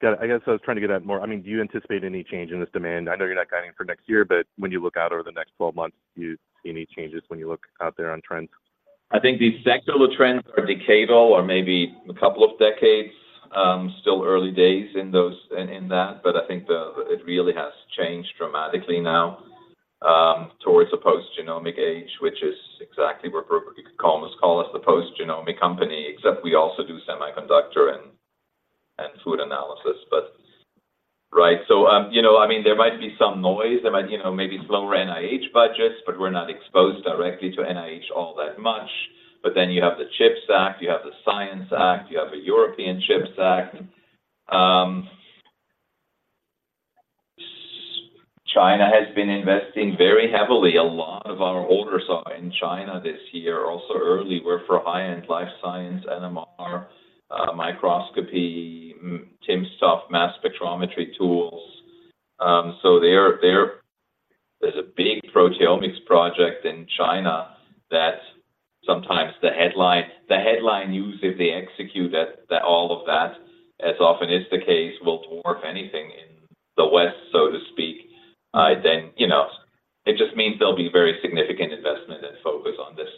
Got it. I guess I was trying to get at more... I mean, do you anticipate any change in this demand? I know you're not guiding for next year, but when you look out over the next twelve months, do you see any changes when you look out there on trends? I think the secular trends are decadal or maybe a couple of decades. Still early days in those, in that, but I think it really has changed dramatically now, towards a post-genomic age, which is exactly where Bruker—you could almost call us the post-genomic company, except we also do semiconductor and food analysis, but... Right. So, you know, I mean, there might be some noise. There might, you know, maybe slower NIH budgets, but we're not exposed directly to NIH all that much. But then you have the Chips Act, you have the Science Act, you have a European Chips Act. China has been investing very heavily. A lot of our orders are in China this year. Also, early were for high-end life science, NMR, microscopy, timsTOF stuff, mass spectrometry tools. So they're. There's a big proteomics project in China that sometimes the headline news, if they execute it, that all of that, as often is the case, will dwarf anything in the West, so to speak. Then, you know, it just means there'll be very significant investment and focus on this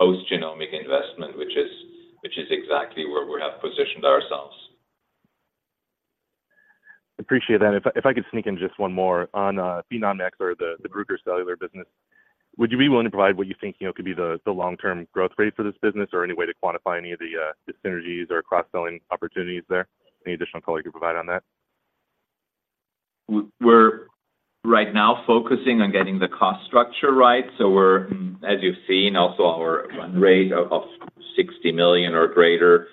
post-genomic investment, which is exactly where we have positioned ourselves. Appreciate that. If I, if I could sneak in just one more on PhenomeX or the Bruker Cellular business. Would you be willing to provide what you think, you know, could be the long-term growth rate for this business or any way to quantify any of the synergies or cross-selling opportunities there? Any additional color you could provide on that? We're right now focusing on getting the cost structure right. So we're, as you've seen also, our run rate of $60 million or greater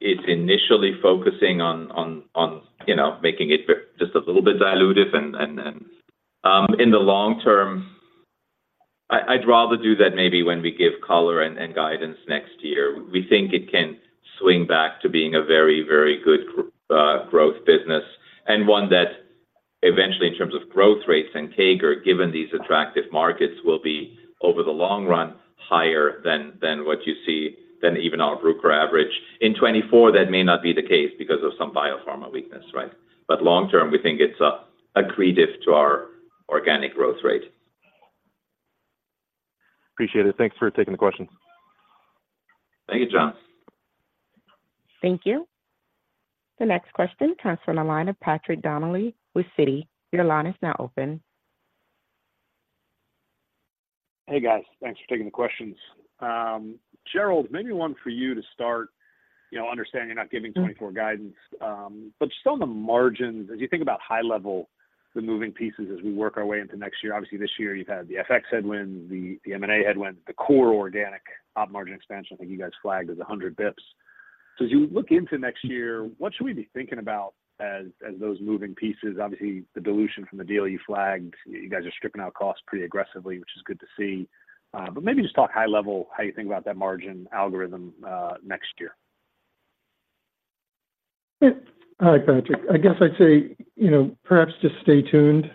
is initially focusing on, you know, making it but just a little bit dilutive. And in the long term, I'd rather do that maybe when we give color and guidance next year. We think it can swing back to being a very, very good growth business, and one that eventually, in terms of growth rates and CAGR, given these attractive markets, will be, over the long run, higher than what you see than even our Bruker average. In 2024, that may not be the case because of some biopharma weakness, right? But long term, we think it's accretive to our organic growth rate. Appreciate it. Thanks for taking the questions. Thank you, John. Thank you. The next question comes from the line of Patrick Donnelly with Citi. Your line is now open. Hey, guys. Thanks for taking the questions. Gerald, maybe one for you to start, you know, understanding you're not giving-... 2024 guidance, but just on the margins, as you think about high level, the moving pieces as we work our way into next year, obviously, this year you've had the FX headwinds, the M&A headwinds, the core organic op margin expansion, I think you guys flagged as 100 basis points. So as you look into next year, what should we be thinking about as those moving pieces? Obviously, the dilution from the deal you flagged, you guys are stripping out costs pretty aggressively, which is good to see. But maybe just talk high level, how you think about that margin algorithm next year. Yeah. Hi, Patrick. I guess I'd say, you know, perhaps just stay tuned.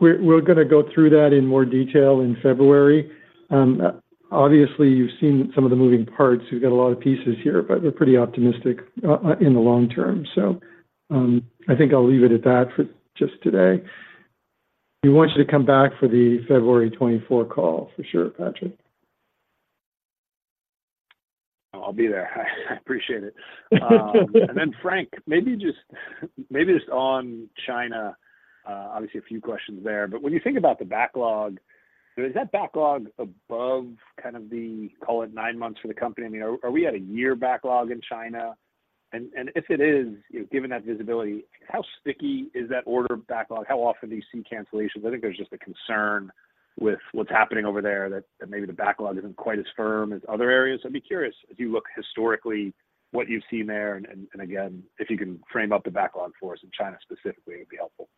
We're, we're gonna go through that in more detail in February. Obviously, you've seen some of the moving parts. We've got a lot of pieces here, but we're pretty optimistic in the long term. I think I'll leave it at that for just today. We want you to come back for the February 2024 call for sure, Patrick. I'll be there. I appreciate it. And then Frank, maybe just, maybe just on China, obviously a few questions there, but when you think about the backlog, is that backlog above kind of the, call it, nine months for the company? I mean, are, are we at a year backlog in China? And, and if it is, you know, given that visibility, how sticky is that order backlog? How often do you see cancellations? I think there's just a concern with what's happening over there, that, that maybe the backlog isn't quite as firm as other areas. I'd be curious, as you look historically, what you've seen there, and, and, and again, if you can frame up the backlog for us in China specifically, it'd be helpful.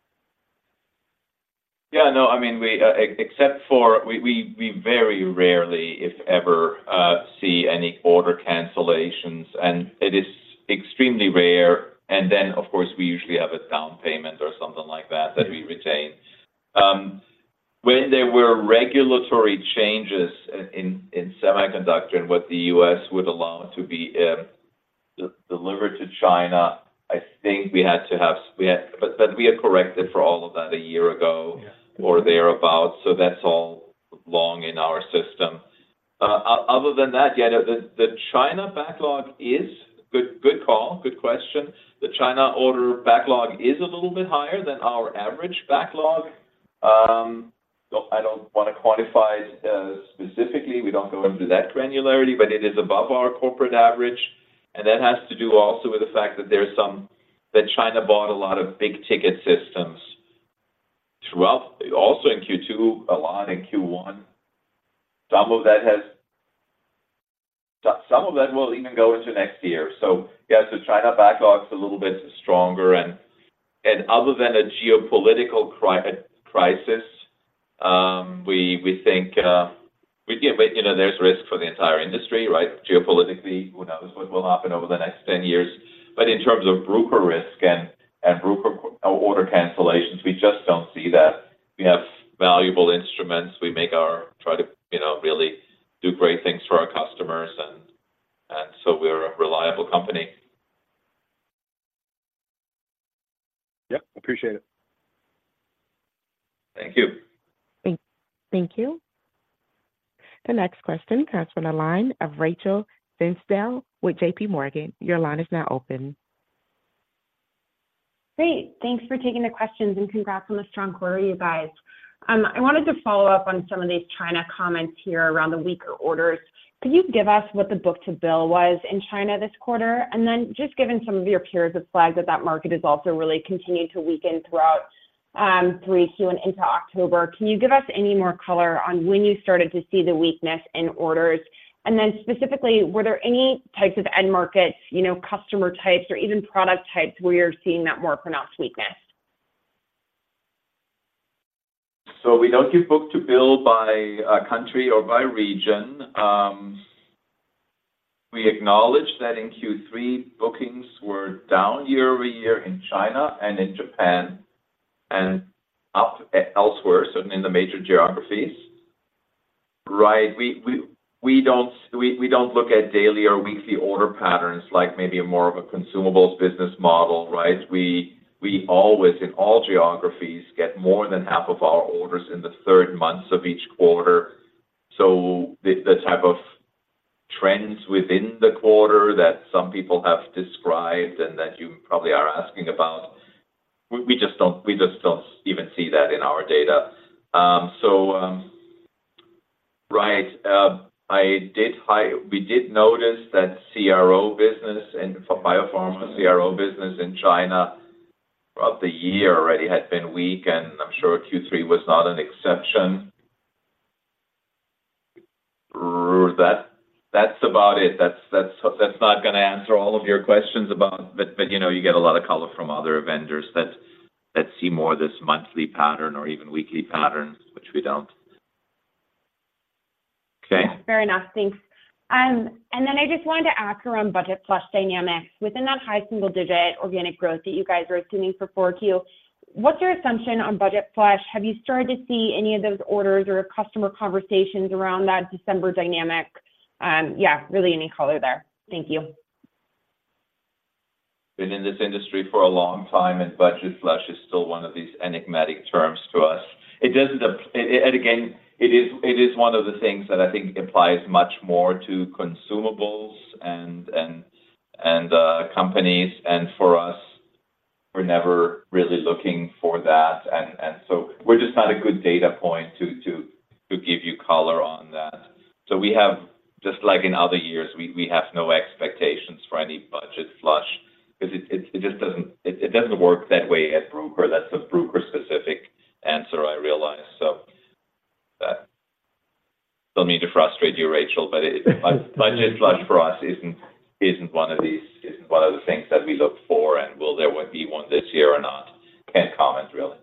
Yeah, no, I mean, we except for—we very rarely, if ever, see any order cancellations, and it is extremely rare. Then, of course, we usually have a down payment or something like that that we retain. When there were regulatory changes in semiconductor and what the U.S. would allow to be delivered to China, I think we had—but we had corrected for all of that a year ago or thereabout, so that's all long in our system. Other than that, yeah, the China backlog is... Good, good call. Good question. The China order backlog is a little bit higher than our average backlog. So I don't want to quantify it, specifically. We don't go into that granularity, but it is above our corporate average, and that has to do also with the fact that that China bought a lot of big-ticket systems throughout, also in Q2, a lot in Q1. Some of that will even go into next year. So yeah, so China backlog's a little bit stronger, and other than a geopolitical crisis, we think, we, you know, there's risk for the entire industry, right? Geopolitically, who knows what will happen over the next ten years. But in terms of Bruker risk and Bruker order cancellations, we just don't see that. We have valuable instruments. We try to, you know, really do great things for our customers, and so we're a reliable company. Yep, appreciate it. Thank you. Thank you. The next question comes from the line of Rachel Vatnsdal with JPMorgan. Your line is now open. Great. Thanks for taking the questions, and congrats on the strong quarter, you guys. I wanted to follow up on some of these China comments here around the weaker orders. Could you give us what the book-to-bill was in China this quarter? And then, just given some of your peers have flagged that, that market has also really continued to weaken throughout, 3Q and into October, can you give us any more color on when you started to see the weakness in orders? And then specifically, were there any types of end markets, you know, customer types or even product types where you're seeing that more pronounced weakness? So we don't give book-to-bill by country or by region. We acknowledge that in Q3, bookings were down year-over-year in China and in Japan, and up elsewhere, so in the major geographies. Right, we don't look at daily or weekly order patterns, like maybe more of a consumables business model, right? We always, in all geographies, get more than half of our orders in the third months of each quarter. So the type of trends within the quarter that some people have described and that you probably are asking about, we just don't even see that in our data. So... We did notice that CRO business and for biopharma CRO business in China throughout the year already had been weak, and I'm sure Q3 was not an exception. Right, that's about it. That's not gonna answer all of your questions about, but you know, you get a lot of color from other vendors that see more of this monthly pattern or even weekly pattern, which we don't. Okay. Fair enough. Thanks and then I just wanted to ask around budget flush dynamics. Within that high single digit organic growth that you guys are assuming for 4Q, what's your assumption on budget flush? Have you started to see any of those orders or customer conversations around that December dynamic? Yeah, really any color there. Thank you. Been in this industry for a long time, and budget flush is still one of these enigmatic terms to us. It doesn't app-- and, again, it is one of the things that I think applies much more to consumables and, and, companies, and for us, we're never really looking for that. We're just not a good data point to give you color on that. We have, just like in other years, we have no expectations for any budget flush 'cause it just doesn't, it doesn't work that way at Bruker. That's a Bruker specific answer I realize. So, don't mean to frustrate you, Rachel, but budget flush for us isn't one of the things that we look for, and will there would be one this year or not? Can't comment, really.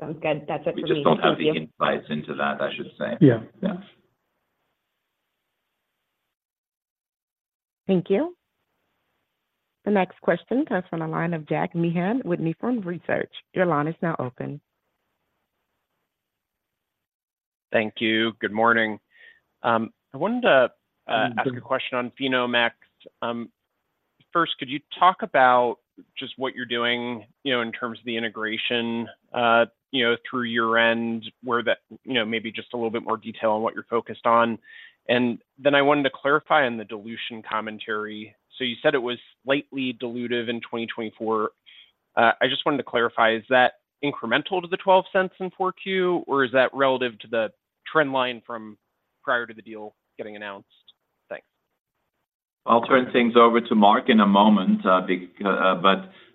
Sounds good. That's it for me. We just don't have the insights into that, I should say. Thank you. The next question comes from the line of Jack Meehan with Nephron Research. Your line is now open. Thank you. Good morning. I wanted to ask a question on PhenomeX. First, could you talk about just what you're doing, you know, in terms of the integration, you know, through your end, where that, you know, maybe just a little bit more detail on what you're focused on? And then I wanted to clarify on the dilution commentary. So you said it was slightly dilutive in 2024. I just wanted to clarify, is that incremental to the $0.12 in 4Q, or is that relative to the trend line from prior to the deal getting announced? Thanks. I'll turn things over to Mark in a moment, but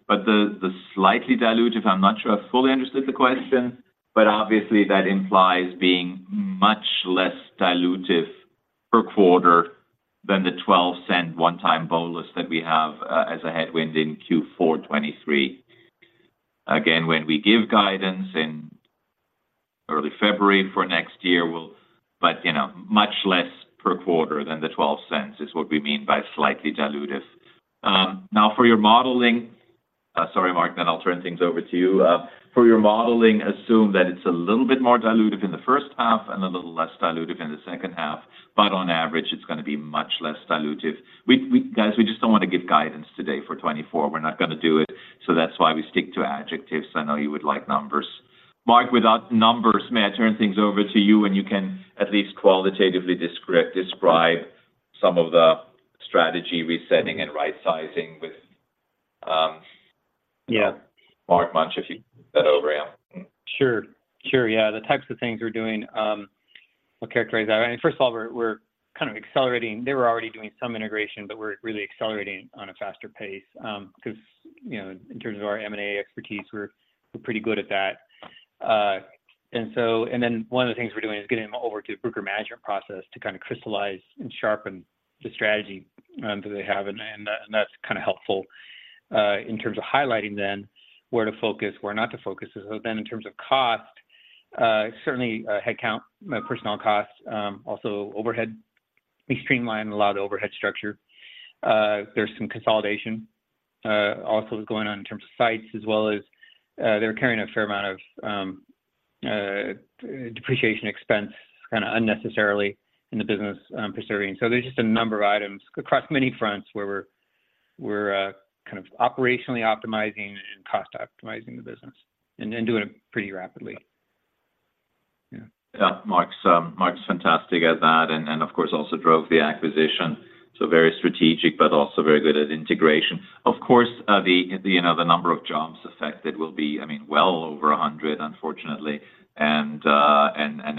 the slightly dilutive, I'm not sure I fully understood the question, but obviously that implies being much less dilutive per quarter than the $0.12 one-time bonus that we have as a headwind in Q4 2023. Again, when we give guidance in early February for next year, but you know, much less per quarter than the $0.12 is what we mean by slightly dilutive. Now, for your modeling, sorry, Mark, then I'll turn things over to you. For your modeling, assume that it's a little bit more dilutive in the first half and a little less dilutive in the second half, but on average, it's gonna be much less dilutive. Guys, we just don't want to give guidance today for 2024. We're not gonna do it, so that's why we stick to adjectives. I know you would like numbers. Mark, without numbers, may I turn things over to you, and you can at least qualitatively describe some of the strategy resetting and right-sizing with, Mark Munch, if you take that over, yeah. Sure. Sure, yeah. The types of things we're doing, I'll characterize that. I mean, first of all, we're kind of accelerating. They were already doing some integration, but we're really accelerating on a faster pace, 'cause, you know, in terms of our M&A expertise, we're pretty good at that. Then one of the things we're doing is getting them over to Bruker management process to kind of crystallize and sharpen the strategy that they have. That's kind of helpful in terms of highlighting then, where to focus, where not to focus. So then, in terms of cost, certainly, headcount, personnel costs, also overhead. We streamlined a lot of overhead structure. There's some consolidation, also going on in terms of sites, as well as, they're carrying a fair amount of, depreciation expense, kind of unnecessarily in the business, pursuing. So there's just a number of items across many fronts where we're, kind of operationally optimizing and cost optimizing the business, and doing it pretty rapidly. Yeah. Yeah. Mark's fantastic at that, and of course, also drove the acquisition, so very strategic, but also very good at integration. Of course, the number of jobs affected will be, I mean, well over 100, unfortunately and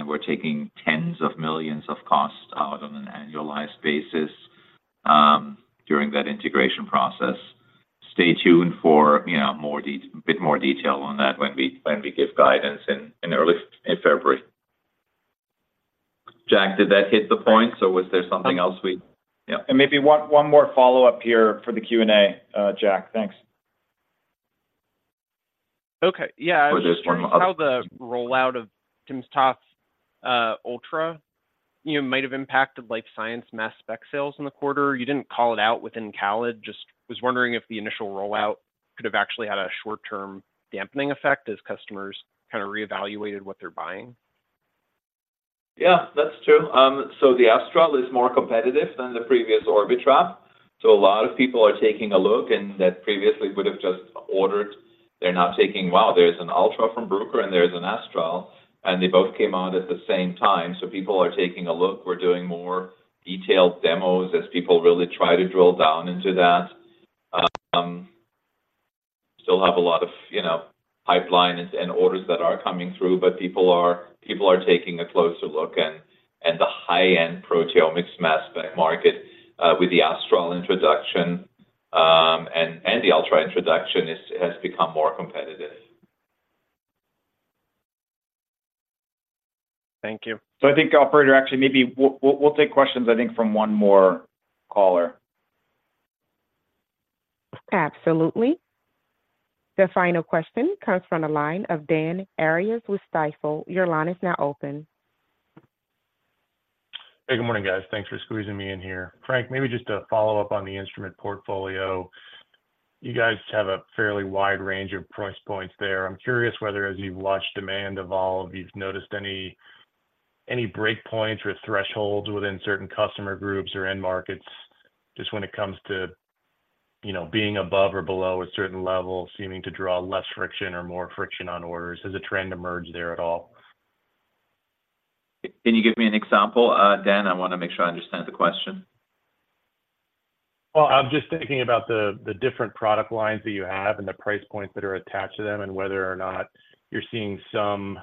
we're taking tens of millions of costs out on an annualized basis during that integration process. Stay tuned for, you know, a bit more detail on that when we give guidance in early February. Jack, did that hit the point, or was there something else we? Maybe one, one more follow-up here for the Q&A, Jack. Thanks. Okay. Yeah- For this one- How the rollout of timsTOF Ultra, you know, might have impacted life science mass spec sales in the quarter? You didn't call it out within guidance. Just was wondering if the initial rollout could have actually had a short-term dampening effect as customers kind of reevaluated what they're buying. Yeah, that's true. So the Astral is more competitive than the previous Orbitrap. So a lot of people are taking a look, and that previously would have just ordered. They're now taking, "Wow, there's an Ultra from Bruker, and there's an Astral, and they both came out at the same time." So people are taking a look. We're doing more detailed demos as people really try to drill down into that.... still have a lot of, you know, pipeline and orders that are coming through, but people are taking a closer look, and the high-end proteomics mass spec market with the Astral introduction and the Ultra introduction has become more competitive. Thank you. So, I think, operator, actually, maybe we'll take questions, I think, from one more caller. Absolutely. The final question comes from the line of Dan Arias with Stifel. Your line is now open. Hey, good morning, guys. Thanks for squeezing me in here. Frank, maybe just a follow-up on the instrument portfolio. You guys have a fairly wide range of price points there. I'm curious whether as you've watched demand evolve, you've noticed any breakpoints or thresholds within certain customer groups or end markets, just when it comes to, you know, being above or below a certain level, seeming to draw less friction or more friction on orders. Has a trend emerged there at all? Can you give me an example, Dan? I want to make sure I understand the question. Well, I'm just thinking about the different product lines that you have and the price points that are attached to them, and whether or not you're seeing some...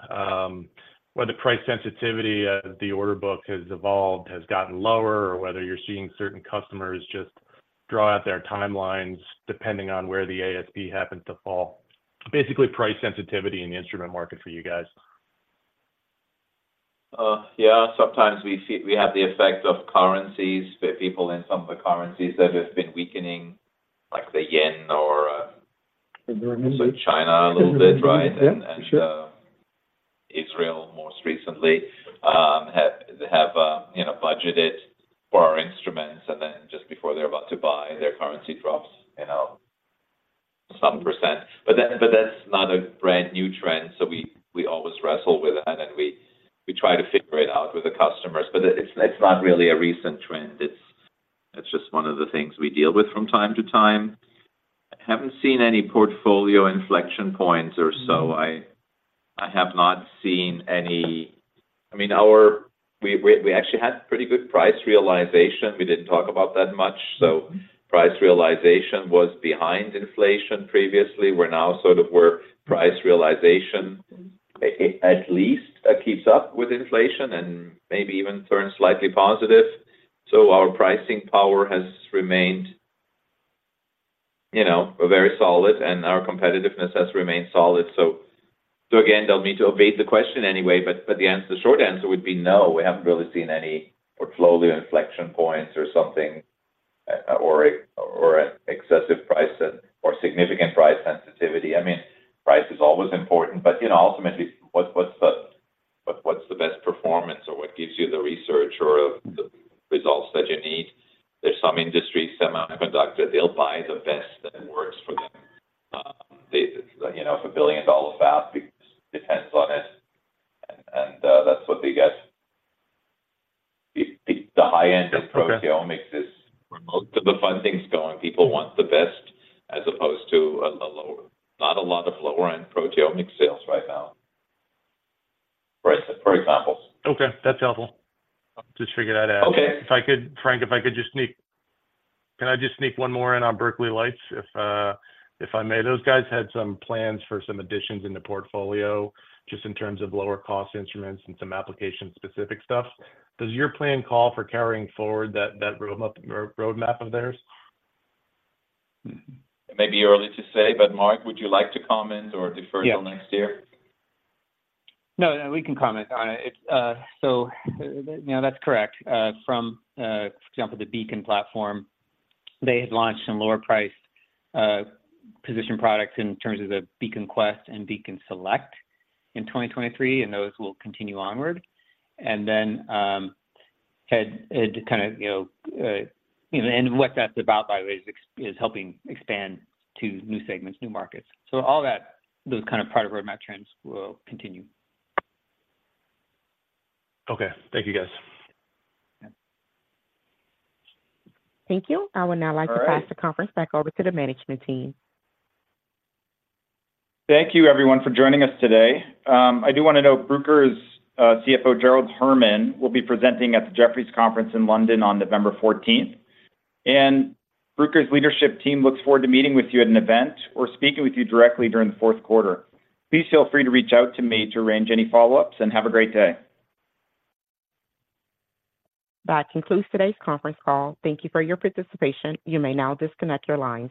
whether price sensitivity of the order book has evolved, has gotten lower, or whether you're seeing certain customers just draw out their timelines depending on where the ASP happens to fall. Basically, price sensitivity in the instrument market for you guys. Yeah, sometimes we have the effect of currencies, for people in some of the currencies that have been weakening, like the yen or, I remember So China a little bit, right? Yeah, for sure. Israel, most recently, they have, you know, budgeted for our instruments, and then just before they're about to buy, their currency drops, you know, some precentage. But that's not a brand-new trend, so we always wrestle with that, and we try to figure it out with the customers. But it's not really a recent trend. It's just one of the things we deal with from time to time. I haven't seen any portfolio inflection points or so. I have not seen any. I mean, we actually had pretty good price realization. We didn't talk about that much. Price realization was behind inflation previously. We're now sort of where price realization, at least, keeps up with inflation and maybe even turns slightly positive. So our pricing power has remained, you know, very solid, and our competitiveness has remained solid. So again, don't mean to evade the question anyway, but the short answer would be no, we haven't really seen any portfolio inflection points or something, or an excessive price sensitivity or significant price sensitivity. I mean, price is always important, but, you know, ultimately, what's the best performance or what gives you the research or the results that you need? There's some industries, semiconductor, they'll buy the best that works for them. They, you know, if a billion-dollar fab depends on it, and that's what they get. The high end of proteomics is where most of the funding is going. People want the best as opposed to a lower...Not a lot of lower-end proteomics sales right now, for example. Okay, that's helpful. I'll just figure that out. Okay. If I could, Frank, if I could just sneak... Can I just sneak one more in on Berkeley Lights, if, if I may? Those guys had some plans for some additions in the portfolio, just in terms of lower cost instruments and some application-specific stuff. Does your plan call for carrying forward that, that road map of theirs? It may be early to say, but Mark, would you like to comment or defer till next year? Yeah. No, no, we can comment on it. It's so, yeah, that's correct. From, for example, the Beacon platform, they had launched some lower price position products in terms of the Beacon Quest and Beacon Select in 2023, and those will continue onward. Then it kind of, you know, you know, and what that's about, by the way, is is helping expand to new segments, new markets. So all that, those kind of part of road map trends will continue. Okay. Thank you, guys. Thank you. All right. I would now like to pass the conference back over to the management team. Thank you, everyone, for joining us today. I do want to note Bruker's CFO, Gerald Herman, will be presenting at the Jefferies Conference in London on November 14th. Bruker's leadership team looks forward to meeting with you at an event or speaking with you directly during the fourth quarter. Please feel free to reach out to me to arrange any follow-ups, and have a great day. That concludes today's conference call. Thank you for your participation. You may now disconnect your lines.